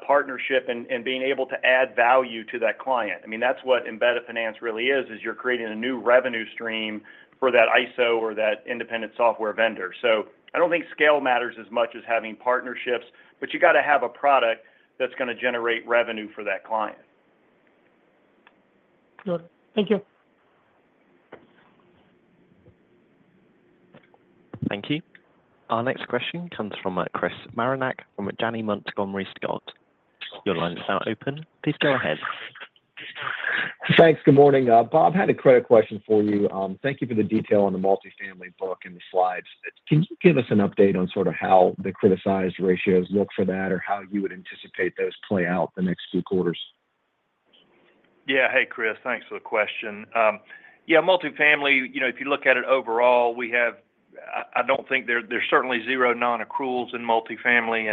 partnership and being able to add value to that client. I mean, that's what embedded finance really is, is you're creating a new revenue stream for that ISO or that independent software vendor. So I don't think scale matters as much as having partnerships, but you gotta have a product that's gonna generate revenue for that client. Good. Thank you. Thank you. Our next question comes from, Chris Marinac from Janney Montgomery Scott. Your line is now open. Please go ahead. Thanks. Good morning. Bob, I had a credit question for you. Thank you for the detail on the multifamily book and the slides. Can you give us an update on sort of how the criticized ratios look for that, or how you would anticipate those play out the next few quarters? Yeah. Hey, Chris, thanks for the question. Yeah, multifamily, you know, if you look at it overall, we have-- I don't think there's certainly zero non-accruals in multifamily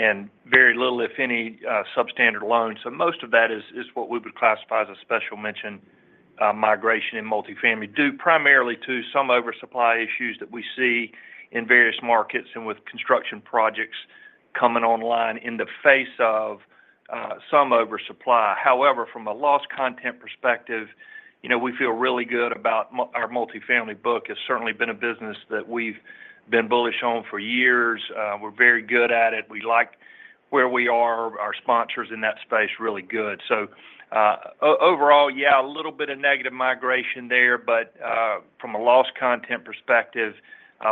and very little, if any, substandard loans. So most of that is what we would classify as a special mention migration in multifamily, due primarily to some oversupply issues that we see in various markets and with construction projects coming online in the face of some oversupply. However, from a loss content perspective, you know, we feel really good about our multifamily book. It's certainly been a business that we've been bullish on for years. We're very good at it. We like where we are, our sponsors in that space, really good. Overall, yeah, a little bit of negative migration there, but from a loss content perspective,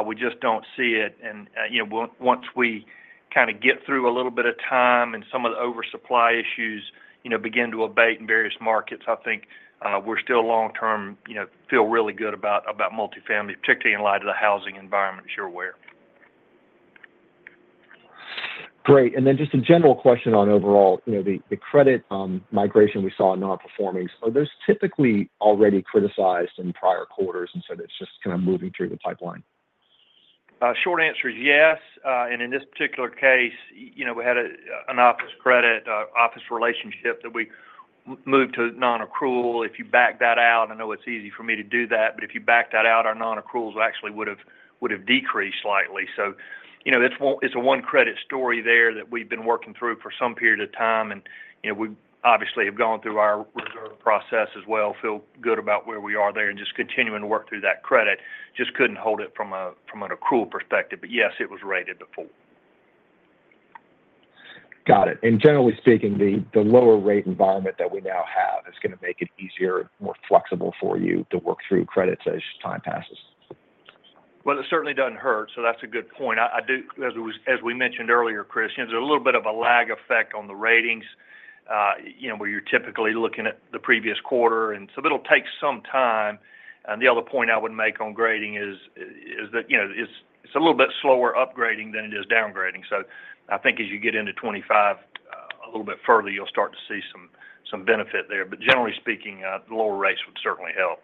we just don't see it. And you know, once we kinda get through a little bit of time and some of the oversupply issues you know begin to abate in various markets, I think we're still long-term you know feel really good about multifamily, particularly in light of the housing environment you're aware. Great. And then just a general question on overall, you know, the credit migration we saw in non-performings. Are those typically already criticized in prior quarters, and so it's just kind of moving through the pipeline? Short answer is yes, and in this particular case, you know, we had an office credit, office relationship that we moved to non-accrual. If you back that out, I know it's easy for me to do that, but if you back that out, our non-accruals actually would've decreased slightly, so you know, it's a one credit story there that we've been working through for some period of time, and you know, we obviously have gone through our reserve process as well, feel good about where we are there, and just continuing to work through that credit. Just couldn't hold it from an accrual perspective, but yes, it was rated before. Got it. And generally speaking, the lower rate environment that we now have is gonna make it easier and more flexible for you to work through credits as time passes? It certainly doesn't hurt, so that's a good point. I do, as we mentioned earlier, Chris, you know, there's a little bit of a lag effect on the ratings, you know, where you're typically looking at the previous quarter, and so it'll take some time. And the other point I would make on grading is that, you know, it's a little bit slower upgrading than it is downgrading. So I think as you get into 2025, a little bit further, you'll start to see some benefit there. But generally speaking, the lower rates would certainly help.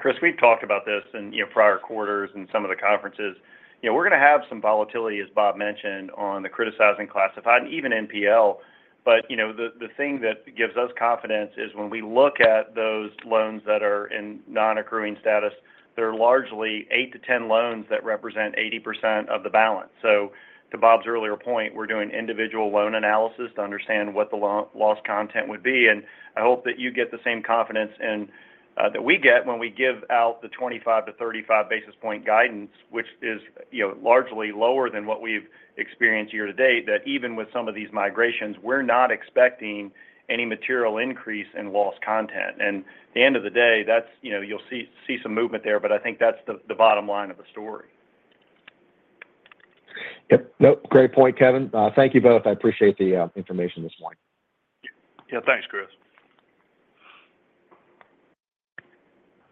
Chris, we've talked about this in, you know, prior quarters and some of the conferences. You know, we're gonna have some volatility, as Bob mentioned, on the criticized and classified, and even NPL. But, you know, the thing that gives us confidence is when we look at those loans that are in non-accruing status, there are largely eight to 10 loans that represent 80% of the balance. So to Bob's earlier point, we're doing individual loan analysis to understand what the loss content would be, and I hope that you get the same confidence and that we get when we give out the 25-35 basis point guidance, which is, you know, largely lower than what we've experienced year to date. That even with some of these migrations, we're not expecting any material increase in loss content. At the end of the day, that's, you know, you'll see some movement there, but I think that's the bottom line of the story. Yep. Nope, great point, Kevin. Thank you both. I appreciate the information this morning. Yeah. Thanks, Chris.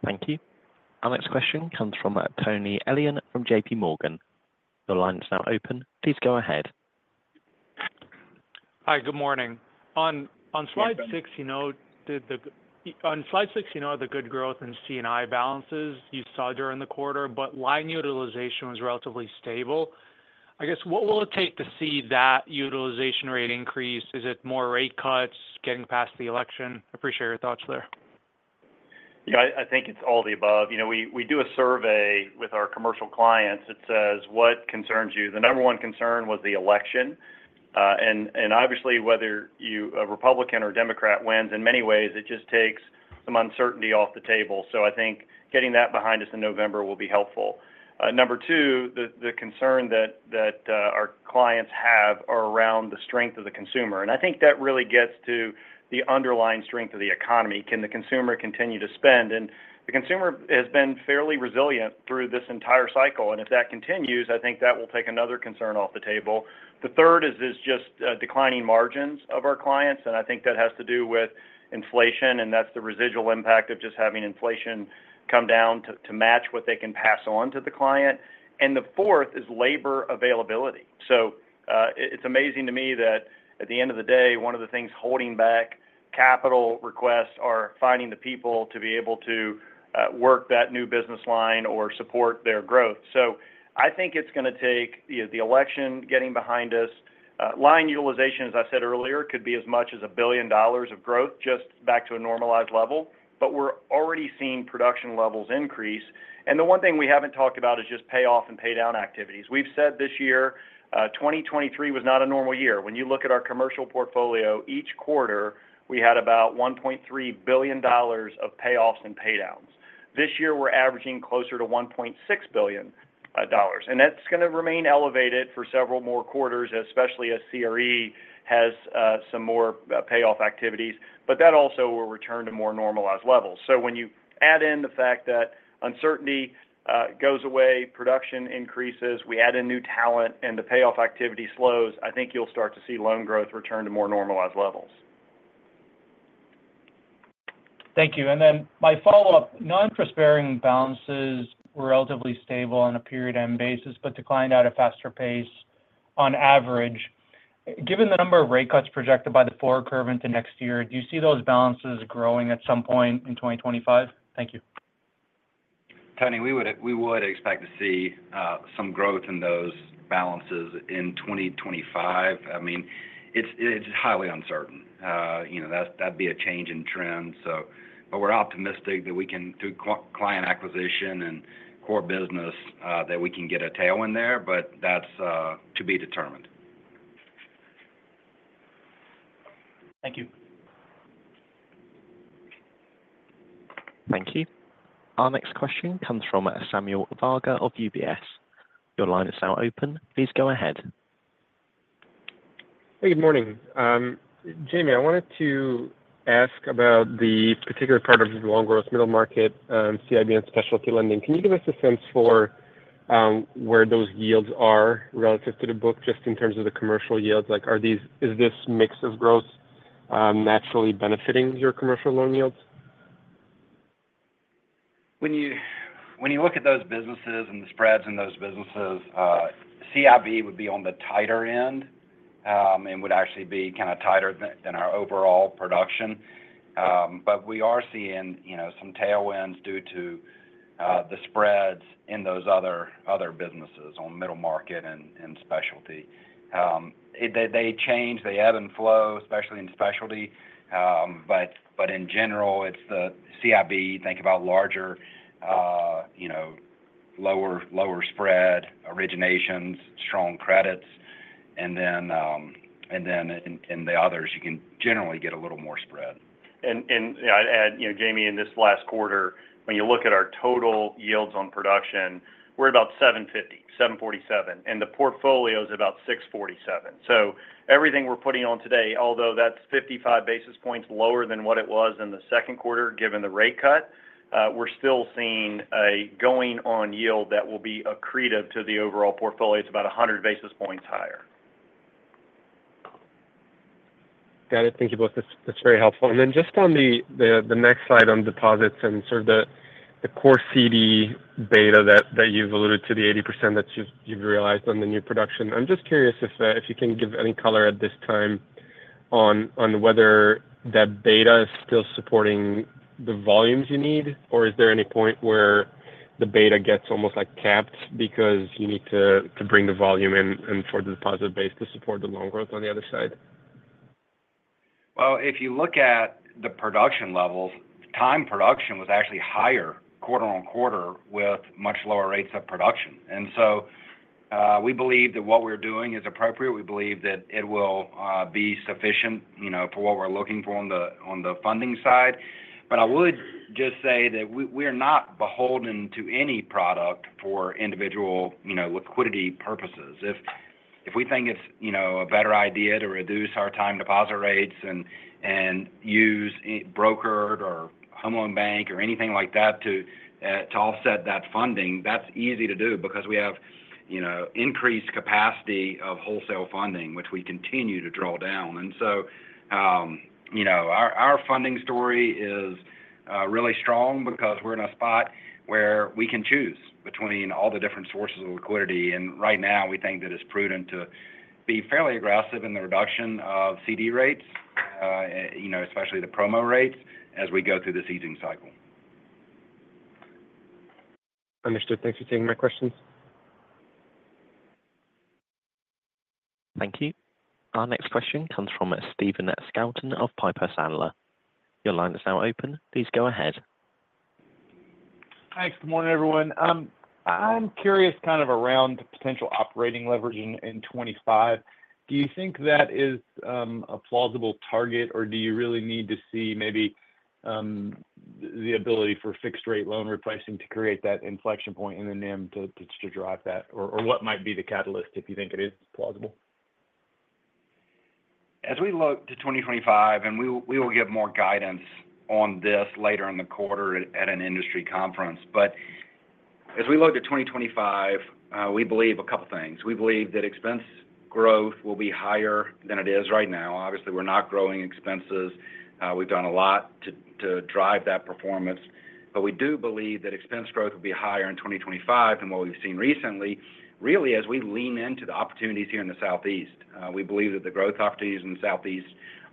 Thank you. Our next question comes from Tony Elian from JPMorgan. Your line is now open. Please go ahead. Hi, good morning. Hi, Tony... slide six, you know, on slide six, you know, the good growth in C&I balances you saw during the quarter, but line utilization was relatively stable. I guess, what will it take to see that utilization rate increase? Is it more rate cuts, getting past the election? I appreciate your thoughts there. Yeah, I think it's all the above. You know, we do a survey with our commercial clients that says: What concerns you? The number one concern was the election, and obviously, whether you, a Republican or Democrat wins, in many ways, it just takes some uncertainty off the table. So I think getting that behind us in November will be helpful. Number two, the concern that our clients have are around the strength of the consumer, and I think that really gets to the underlying strength of the economy. Can the consumer continue to spend, and the consumer has been fairly resilient through this entire cycle, and if that continues, I think that will take another concern off the table. The third is just declining margins of our clients, and I think that has to do with inflation, and that's the residual impact of just having inflation come down to match what they can pass on to the client. And the fourth is labor availability. It's amazing to me that at the end of the day, one of the things holding back capital requests are finding the people to be able to work that new business line or support their growth. So I think it's gonna take, you know, the election getting behind us... Line utilization, as I said earlier, could be as much as $1 billion of growth, just back to a normalized level, but we're already seeing production levels increase. And the one thing we haven't talked about is just payoff and paydown activities. We've said this year, 2023 was not a normal year. When you look at our commercial portfolio, each quarter, we had about $1.3 billion of payoffs and paydowns. This year, we're averaging closer to $1.6 billion, dollars, and that's going to remain elevated for several more quarters, especially as CRE has, some more payoff activities, but that also will return to more normalized levels, so when you add in the fact that uncertainty, goes away, production increases, we add in new talent, and the payoff activity slows, I think you'll start to see loan growth return to more normalized levels. Thank you, and then my follow-up. Non-performing balances were relatively stable on a period-end basis, but declined at a faster pace on average. Given the number of rate cuts projected by the forward curve into next year, do you see those balances growing at some point in 2025? Thank you. Tony, we would expect to see some growth in those balances in 2025. I mean, it's highly uncertain. You know, that'd be a change in trend, so. But we're optimistic that we can, through client acquisition and core business, that we can get a tailwind there, but that's to be determined. Thank you. Thank you. Our next question comes from Samuel Varga of UBS. Your line is now open. Please go ahead. Hey, good morning. Jamie, I wanted to ask about the particular part of the loan growth Middle Market, CIB and Specialty Lending. Can you give us a sense for where those yields are relative to the book, just in terms of the commercial yields? Like, are these-- is this mix of growth, naturally benefiting your commercial loan yields? When you look at those businesses and the spreads in those businesses, CIB would be on the tighter end, and would actually be kind of tighter than our overall production. But we are seeing, you know, some tailwinds due to the spreads in those other businesses on Middle Market and specialty. They change, they ebb and flow, especially in specialty. But in general, it's the CIB, think about larger, you know, lower spread, originations, strong credits, and then in the others, you can generally get a little more spread. I'd add, you know, Jamie, in this last quarter, when you look at our total yields on production, we're about 7.50, 7.47, and the portfolio is about 6.47. So everything we're putting on today, although that's 55 basis points lower than what it was in the second quarter, given the rate cut, we're still seeing a going-in yield that will be accretive to the overall portfolio. It's about 100 basis points higher. Got it. Thank you both. That's very helpful. And then just on the next slide on deposits and sort of the core CD beta that you've alluded to, the 80% that you've realized on the new production. I'm just curious if you can give any color at this time on whether that beta is still supporting the volumes you need, or is there any point where the beta gets almost, like, capped because you need to bring the volume in for the deposit base to support the loan growth on the other side? If you look at the production levels, time deposit production was actually higher quarter on quarter with much lower rates of production. And so, we believe that what we're doing is appropriate. We believe that it will be sufficient, you know, for what we're looking for on the funding side. But I would just say that we, we're not beholden to any product for individual, you know, liquidity purposes. If we think it's, you know, a better idea to reduce our time deposit rates and use brokered or Home Loan Bank or anything like that to offset that funding, that's easy to do because we have, you know, increased capacity of wholesale funding, which we continue to draw down. And so, you know, our funding story is really strong because we're in a spot where we can choose between all the different sources of liquidity. And right now, we think that it's prudent to be fairly aggressive in the reduction of CD rates, you know, especially the promo rates, as we go through this easing cycle. Understood. Thanks for taking my questions. Thank you. Our next question comes from Stephen Scouten of Piper Sandler. Your line is now open. Please go ahead. Thanks. Good morning, everyone. I'm curious, kind of around the potential operating leverage in 2025. Do you think that is a plausible target, or do you really need to see maybe the ability for fixed rate loan repricing to create that inflection point in the NIM to drive that? Or what might be the catalyst if you think it is plausible? As we look to 2025, and we will, we will give more guidance on this later in the quarter at an industry conference. But as we look to 2025, we believe a couple things. We believe that expense growth will be higher than it is right now. Obviously, we're not growing expenses. We've done a lot to drive that performance, but we do believe that expense growth will be higher in 2025 than what we've seen recently, really, as we lean into the opportunities here in the Southeast. We believe that the growth opportunities in the Southeast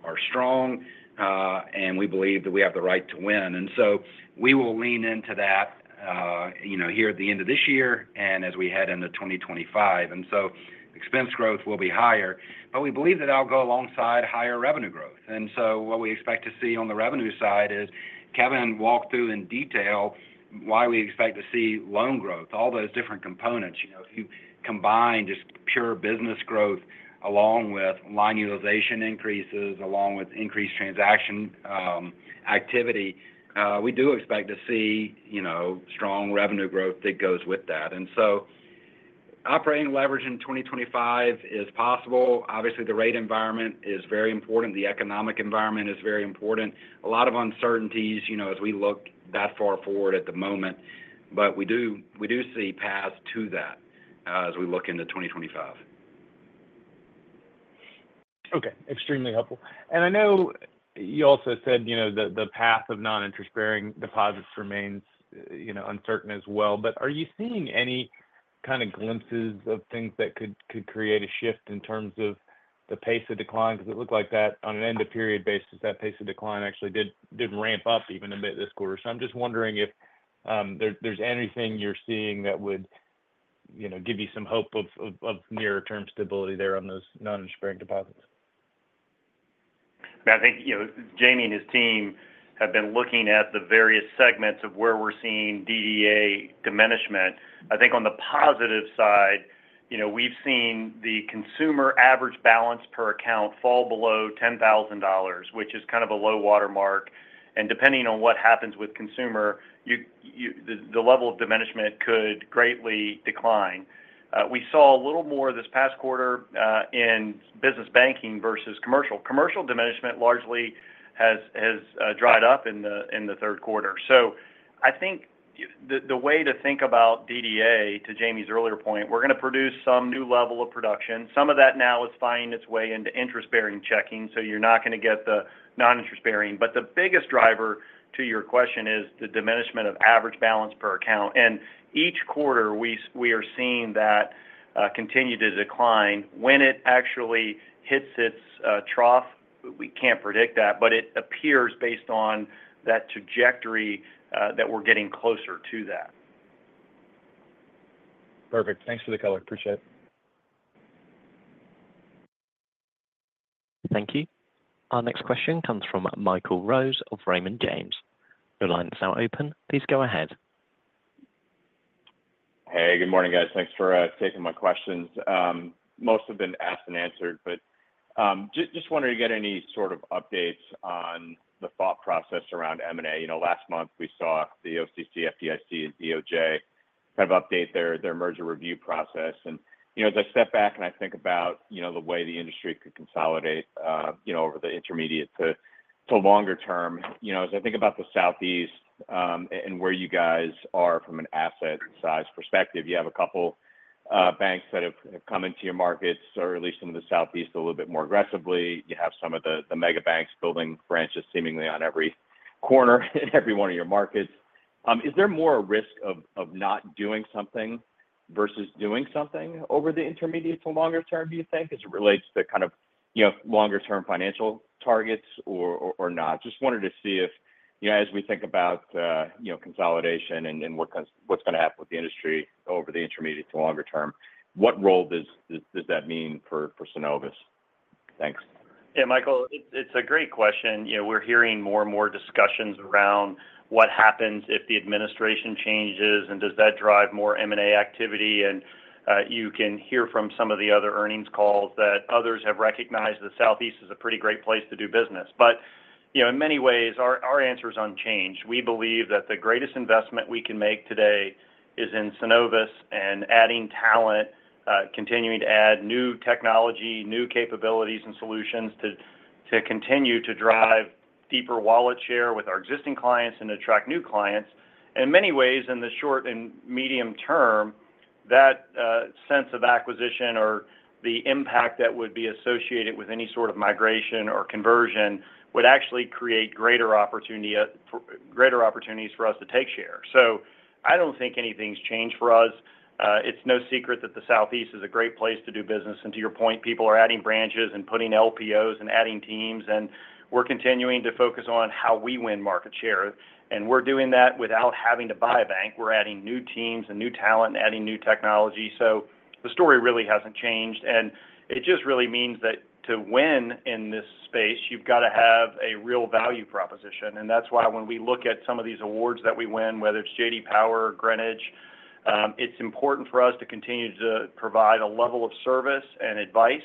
are strong, and we believe that we have the right to win. And so we will lean into that, you know, here at the end of this year and as we head into 2025. And so-... expense growth will be higher, but we believe that that'll go alongside higher revenue growth, and so what we expect to see on the revenue side is Kevin walked through in detail why we expect to see loan growth, all those different components. You know, if you combine just pure business growth along with line utilization increases, along with increased transaction activity, we do expect to see, you know, strong revenue growth that goes with that, and so operating leverage in 2025 is possible. Obviously, the rate environment is very important. The economic environment is very important. A lot of uncertainties, you know, as we look that far forward at the moment, but we do, we do see paths to that, as we look into 2025. Okay, extremely helpful. I know you also said, you know, the path of non-interest-bearing deposits remains, you know, uncertain as well, but are you seeing any kind of glimpses of things that could create a shift in terms of the pace of decline? Because it looked like that on an end-of-period basis, that pace of decline actually did ramp up even a bit this quarter. So I'm just wondering if there's anything you're seeing that would, you know, give you some hope of near-term stability there on those non-interest-bearing deposits. I think, you know, Jamie and his team have been looking at the various segments of where we're seeing DDA diminishment. I think on the positive side, you know, we've seen the consumer average balance per account fall below $10,000, which is kind of a low watermark, and depending on what happens with consumer, the level of diminishment could greatly decline. We saw a little more this past quarter in Business Banking versus commercial. Commercial diminishment largely has dried up in the third quarter. So I think the way to think about DDA, to Jamie's earlier point, we're going to produce some new level of production. Some of that now is finding its way into interest-bearing checking, so you're not going to get the non-interest bearing. But the biggest driver, to your question, is the diminishment of average balance per account. And each quarter, we are seeing that continue to decline. When it actually hits its trough, we can't predict that, but it appears based on that trajectory that we're getting closer to that. Perfect. Thanks for the color. Appreciate it. Thank you. Our next question comes from Michael Rose of Raymond James. Your line is now open. Please go ahead. Hey, good morning, guys. Thanks for taking my questions. Most have been asked and answered, but just wanted to get any sort of updates on the thought process around M&A. You know, last month, we saw the OCC, FDIC, and DOJ kind of update their merger review process, and you know, as I step back and I think about you know, the way the industry could consolidate you know, over the intermediate to longer term, you know, as I think about the Southeast and where you guys are from an asset and size perspective, you have a couple banks that have come into your markets, or at least some of the Southeast, a little bit more aggressively. You have some of the mega banks building branches seemingly on every corner in every one of your markets. Is there more a risk of not doing something versus doing something over the intermediate to longer term, do you think, as it relates to kind of, you know, longer term financial targets or not? Just wanted to see if, you know, as we think about, you know, consolidation and what's going to happen with the industry over the intermediate to longer term, what role does that mean for Synovus? Thanks. Yeah, Michael, it's a great question. You know, we're hearing more and more discussions around what happens if the administration changes, and does that drive more M&A activity? And you can hear from some of the other earnings calls that others have recognized the Southeast is a pretty great place to do business. But you know, in many ways, our answer is unchanged. We believe that the greatest investment we can make today is in Synovus and adding talent, continuing to add new technology, new capabilities and solutions to continue to drive deeper wallet share with our existing clients and attract new clients. In many ways, in the short and medium term, that sense of acquisition or the impact that would be associated with any sort of migration or conversion would actually create greater opportunity for greater opportunities for us to take share. So I don't think anything's changed for us. It's no secret that the Southeast is a great place to do business, and to your point, people are adding branches and putting LPOs and adding teams, and we're continuing to focus on how we win market share. And we're doing that without having to buy a bank. We're adding new teams and new talent and adding new technology. So the story really hasn't changed, and it just really means that to win in this space, you've got to have a real value proposition. And that's why when we look at some of these awards that we win, whether it's J.D. Power or Greenwich, it's important for us to continue to provide a level of service and advice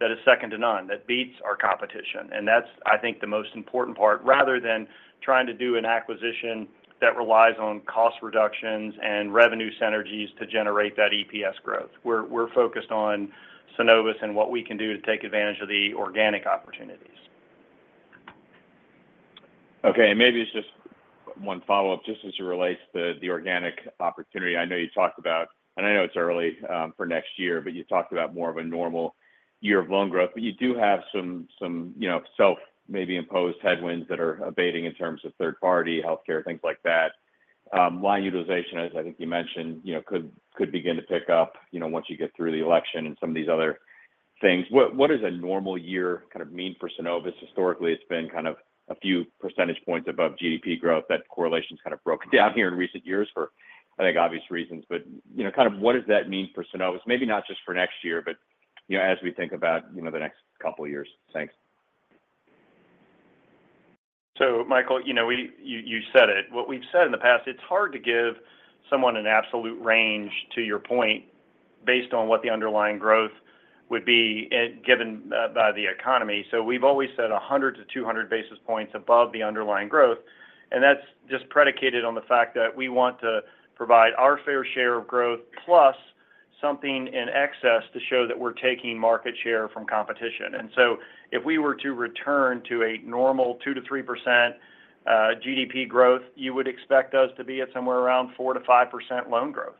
that is second to none, that beats our competition. That's, I think, the most important part, rather than trying to do an acquisition that relies on cost reductions and revenue synergies to generate that EPS growth. We're focused on Synovus and what we can do to take advantage of the organic opportunities. Okay, and maybe it's just one follow-up, just as it relates to the organic opportunity. I know you talked about, and I know it's early for next year, but you talked about more of a normal year of loan growth, but you do have some, you know, self-imposed headwinds that are abating in terms of third party, healthcare, things like that. Line utilization, as I think you mentioned, you know, could begin to pick up, you know, once you get through the election and some of these other things. What is a normal year kind of mean for Synovus? Historically, it's been kind of a few percentage points above GDP growth. That correlation's kind of broken down here in recent years for, I think, obvious reasons. But, you know, kind of what does that mean for Synovus? Maybe not just for next year, but, you know, as we think about, you know, the next couple of years. Thanks. So Michael, you know, we, you said it. What we've said in the past, it's hard to give someone an absolute range, to your point, based on what the underlying growth would be, given by the economy. So we've always said 100-200 basis points above the underlying growth, and that's just predicated on the fact that we want to provide our fair share of growth, plus something in excess to show that we're taking market share from competition. And so if we were to return to a normal 2-3% GDP growth, you would expect us to be at somewhere around 4-5% loan growth.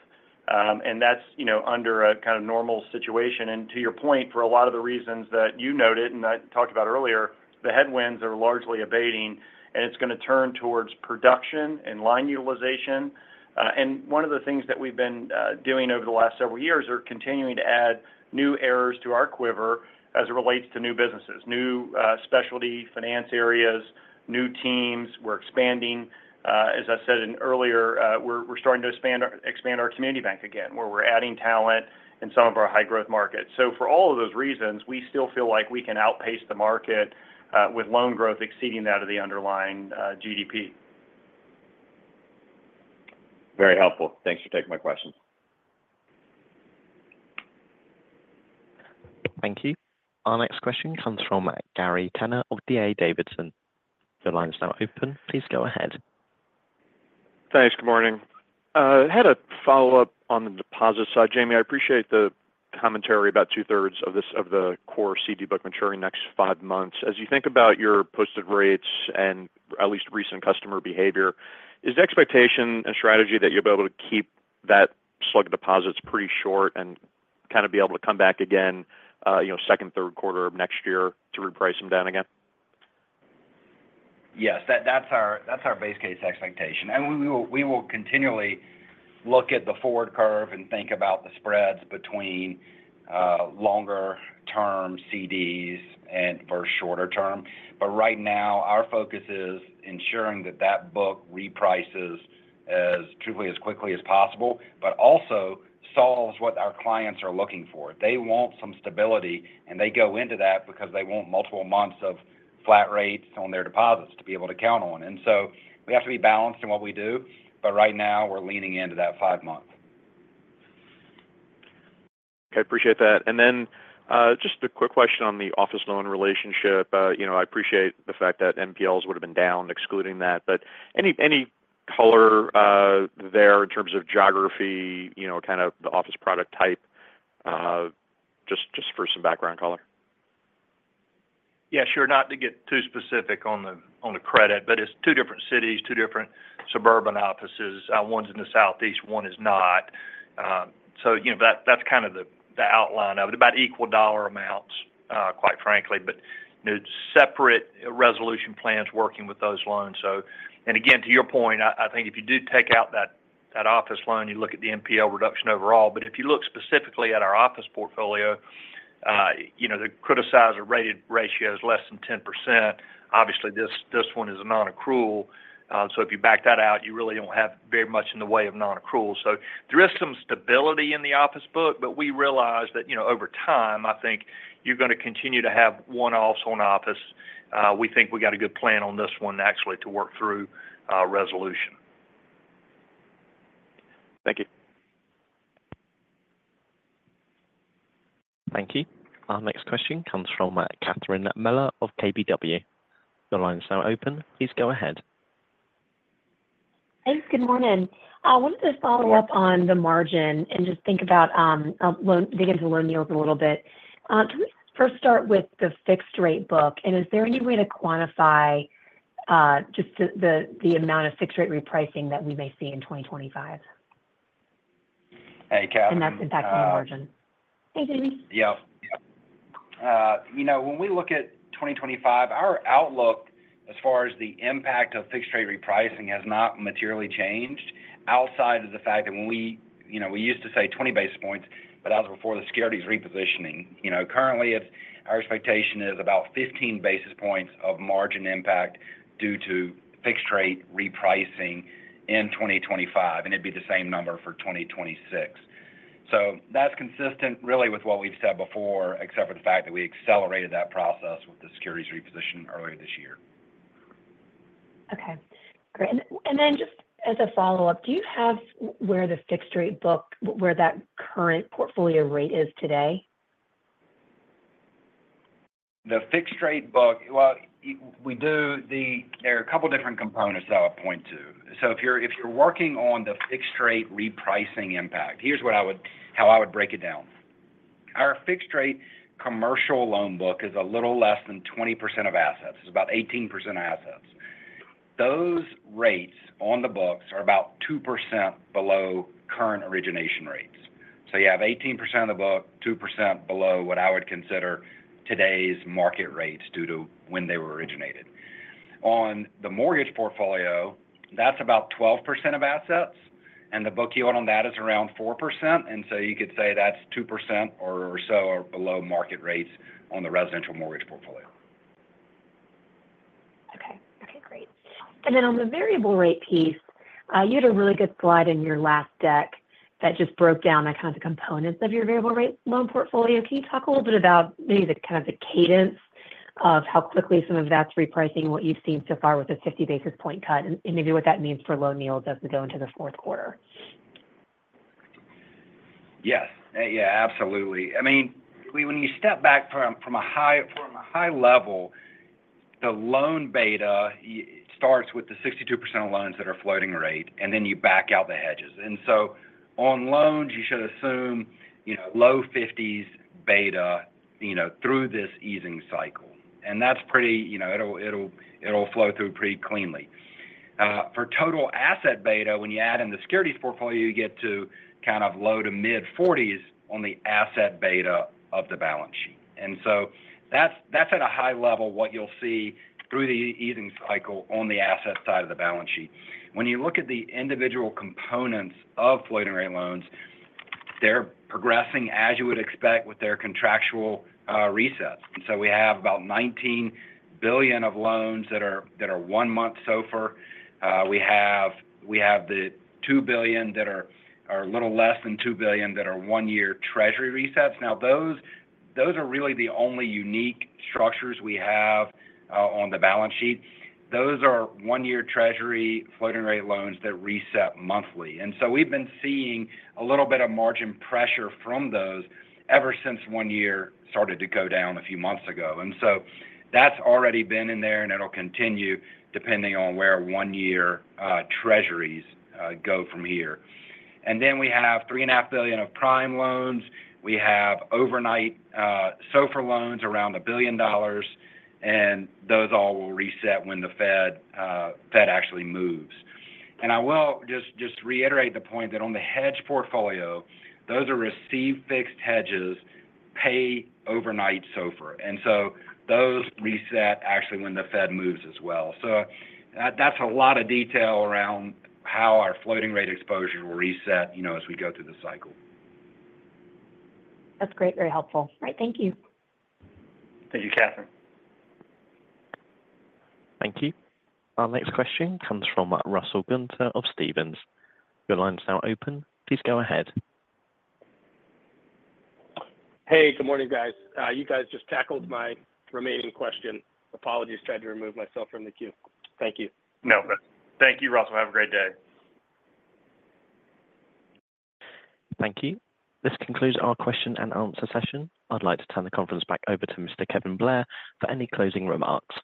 And that's, you know, under a kind of normal situation. And to your point, for a lot of the reasons that you noted, and I talked about earlier, the headwinds are largely abating, and it's gonna turn towards production and line utilization. And one of the things that we've been doing over the last several years are continuing to add new arrows to our quiver as it relates to new businesses. New specialty finance areas, new teams. We're expanding, as I said earlier, we're starting to expand our community bank again, where we're adding talent in some of our high-growth markets. So for all of those reasons, we still feel like we can outpace the market with loan growth exceeding that of the underlying GDP. Very helpful. Thanks for taking my questions. Thank you. Our next question comes from Gary Tenner of D.A. Davidson. Your line is now open. Please go ahead. Thanks. Good morning. I had a follow-up on the deposit side. Jamie, I appreciate the commentary about two-thirds of the core CD book maturing next five months. As you think about your posted rates and at least recent customer behavior, is the expectation and strategy that you'll be able to keep that slug of deposits pretty short and kind of be able to come back again, you know, second, third quarter of next year to reprice them down again? Yes, that's our base case expectation. We will continually look at the forward curve and think about the spreads between longer-term CDs and shorter term. But right now, our focus is ensuring that book reprices as truly as quickly as possible, but also solves what our clients are looking for. They want some stability, and they go into that because they want multiple months of flat rates on their deposits to be able to count on. So we have to be balanced in what we do, but right now we're leaning into that five month. Okay, appreciate that. And then, just a quick question on the office loan relationship. You know, I appreciate the fact that NPLs would have been down, excluding that, but any color there in terms of geography, you know, kind of the office product type, just for some background color? Yeah, sure. Not to get too specific on the credit, but it's two different cities, two different suburban offices. One's in the Southeast, one is not. So, you know, that's kind of the outline of it, about equal dollar amounts, quite frankly, but, you know, separate resolution plans working with those loans. So. And again, to your point, I think if you do take out that office loan, you look at the NPL reduction overall. But if you look specifically at our office portfolio, you know, the criticized or rated ratio is less than 10%. Obviously, this one is a nonaccrual, so if you back that out, you really don't have very much in the way of nonaccrual. So there is some stability in the office book, but we realize that, you know, over time, I think you're gonna continue to have one offs on office. We think we got a good plan on this one, actually, to work through resolution. Thank you. Thank you. Our next question comes from Catherine Mealor of KBW. Your line is now open. Please go ahead. Thanks. Good morning. I wanted to follow up on the margin and just think about, dig into loan yields a little bit. Can we first start with the fixed rate book, and is there any way to quantify just the amount of fixed rate repricing that we may see in 2025? Hey, Catherine, That's impacting the margin. Hey, Jamie. Yeah. You know, when we look at 2025, our outlook as far as the impact of fixed rate repricing has not materially changed outside of the fact that when we, you know, we used to say 20 basis points, but that was before the securities repositioning. You know, currently, it's, our expectation is about 15 basis points of margin impact due to fixed rate repricing in 2025, and it'd be the same number for 2026. So that's consistent really with what we've said before, except for the fact that we accelerated that process with the securities reposition earlier this year. Okay, great. And then, just as a follow-up, do you have where the fixed rate book, where that current portfolio rate is today? The fixed rate book, well, we do. There are a couple different components that I'll point to. So if you're, if you're working on the fixed rate repricing impact, here's how I would break it down. Our fixed rate commercial loan book is a little less than 20% of assets. It's about 18% of assets. Those rates on the books are about 2% below current origination rates. So you have 18% of the book, 2% below what I would consider today's market rates due to when they were originated.... On the mortgage portfolio, that's about 12% of assets, and the book yield on that is around 4%, and so you could say that's 2% or so below market rates on the residential mortgage portfolio. Okay. Okay, great. And then on the variable rate piece, you had a really good slide in your last deck that just broke down the kind of components of your variable rate loan portfolio. Can you talk a little bit about maybe the, kind of the cadence of how quickly some of that's repricing, what you've seen so far with the 50 basis point cut, and, and maybe what that means for loan yields as we go into the fourth quarter? Yes. Yeah, absolutely. I mean, we, when you step back from a high level, the loan beta starts with the 62% of loans that are floating rate, and then you back out the hedges. And so on loans, you should assume, you know, low 50s beta, you know, through this easing cycle. And that's pretty, you know, it'll flow through pretty cleanly. For total asset beta, when you add in the securities portfolio, you get to kind of low-to-mid 40s on the asset beta of the balance sheet. And so that's at a high level what you'll see through the easing cycle on the asset side of the balance sheet. When you look at the individual components of floating rate loans, they're progressing as you would expect with their contractual resets. So we have about $19 billion of loans that are one-month SOFR. We have the $2 billion that are a little less than $2 billion that are one-year Treasury resets. Now, those are really the only unique structures we have on the balance sheet. Those are one-year Treasury floating rate loans that reset monthly. And so we've been seeing a little bit of margin pressure from those ever since one year started to go down a few months ago. And so that's already been in there, and it'll continue depending on where one-year Treasuries go from here. And then we have $3.5 billion of prime loans. We have overnight SOFR loans around $1 billion, and those all will reset when the Fed actually moves. I will just reiterate the point that on the hedge portfolio, those are received fixed hedges, pay overnight SOFR. Those reset actually when the Fed moves as well. That's a lot of detail around how our floating rate exposure will reset, you know, as we go through the cycle. That's great. Very helpful. All right, thank you. Thank you, Catherine. Thank you. Our next question comes from Russell Gunther of Stephens. Your line is now open. Please go ahead. Hey, good morning, guys. You guys just tackled my remaining question. Apologies, tried to remove myself from the queue. Thank you. No, thank you, Russell. Have a great day. Thank you. This concludes our question and answer session. I'd like to turn the conference back over to Mr. Kevin Blair for any closing remarks.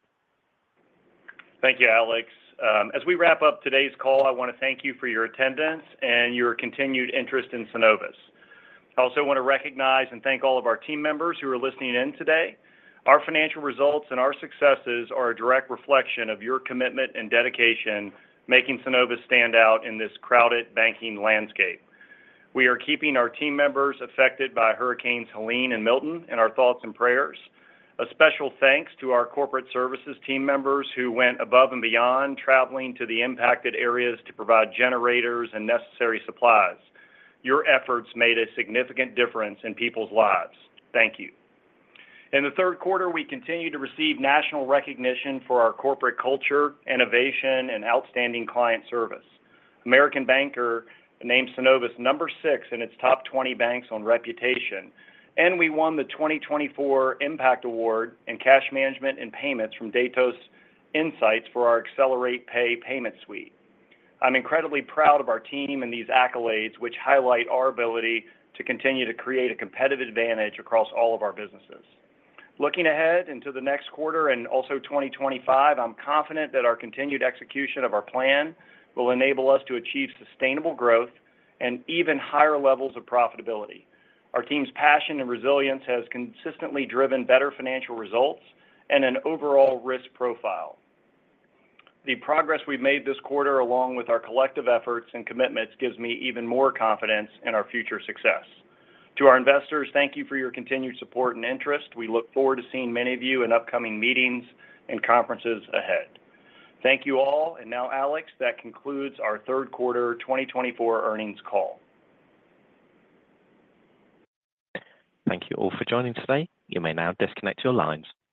Thank you, Alex. As we wrap up today's call, I want to thank you for your attendance and your continued interest in Synovus. I also want to recognize and thank all of our team members who are listening in today. Our financial results and our successes are a direct reflection of your commitment and dedication, making Synovus stand out in this crowded banking landscape. We are keeping our team members affected by hurricanes Helene and Milton, in our thoughts and prayers. A special thanks to our corporate services team members who went above and beyond, traveling to the impacted areas to provide generators and necessary supplies. Your efforts made a significant difference in people's lives. Thank you. In the third quarter, we continued to receive national recognition for our corporate culture, innovation, and outstanding client service. American Banker named Synovus number six in its top 20 banks on reputation, and we won the 2024 Impact Award in Cash Management and Payments from Datos Insights for our Accelerate Pay payment suite. I'm incredibly proud of our team and these accolades, which highlight our ability to continue to create a competitive advantage across all of our businesses. Looking ahead into the next quarter and also 2025, I'm confident that our continued execution of our plan will enable us to achieve sustainable growth and even higher levels of profitability. Our team's passion and resilience has consistently driven better financial results and an overall risk profile. The progress we've made this quarter, along with our collective efforts and commitments, gives me even more confidence in our future success. To our investors, thank you for your continued support and interest. We look forward to seeing many of you in upcoming meetings and conferences ahead. Thank you all, and now, Alex, that concludes our third quarter 2024 earnings call. Thank you all for joining us today. You may now disconnect your lines.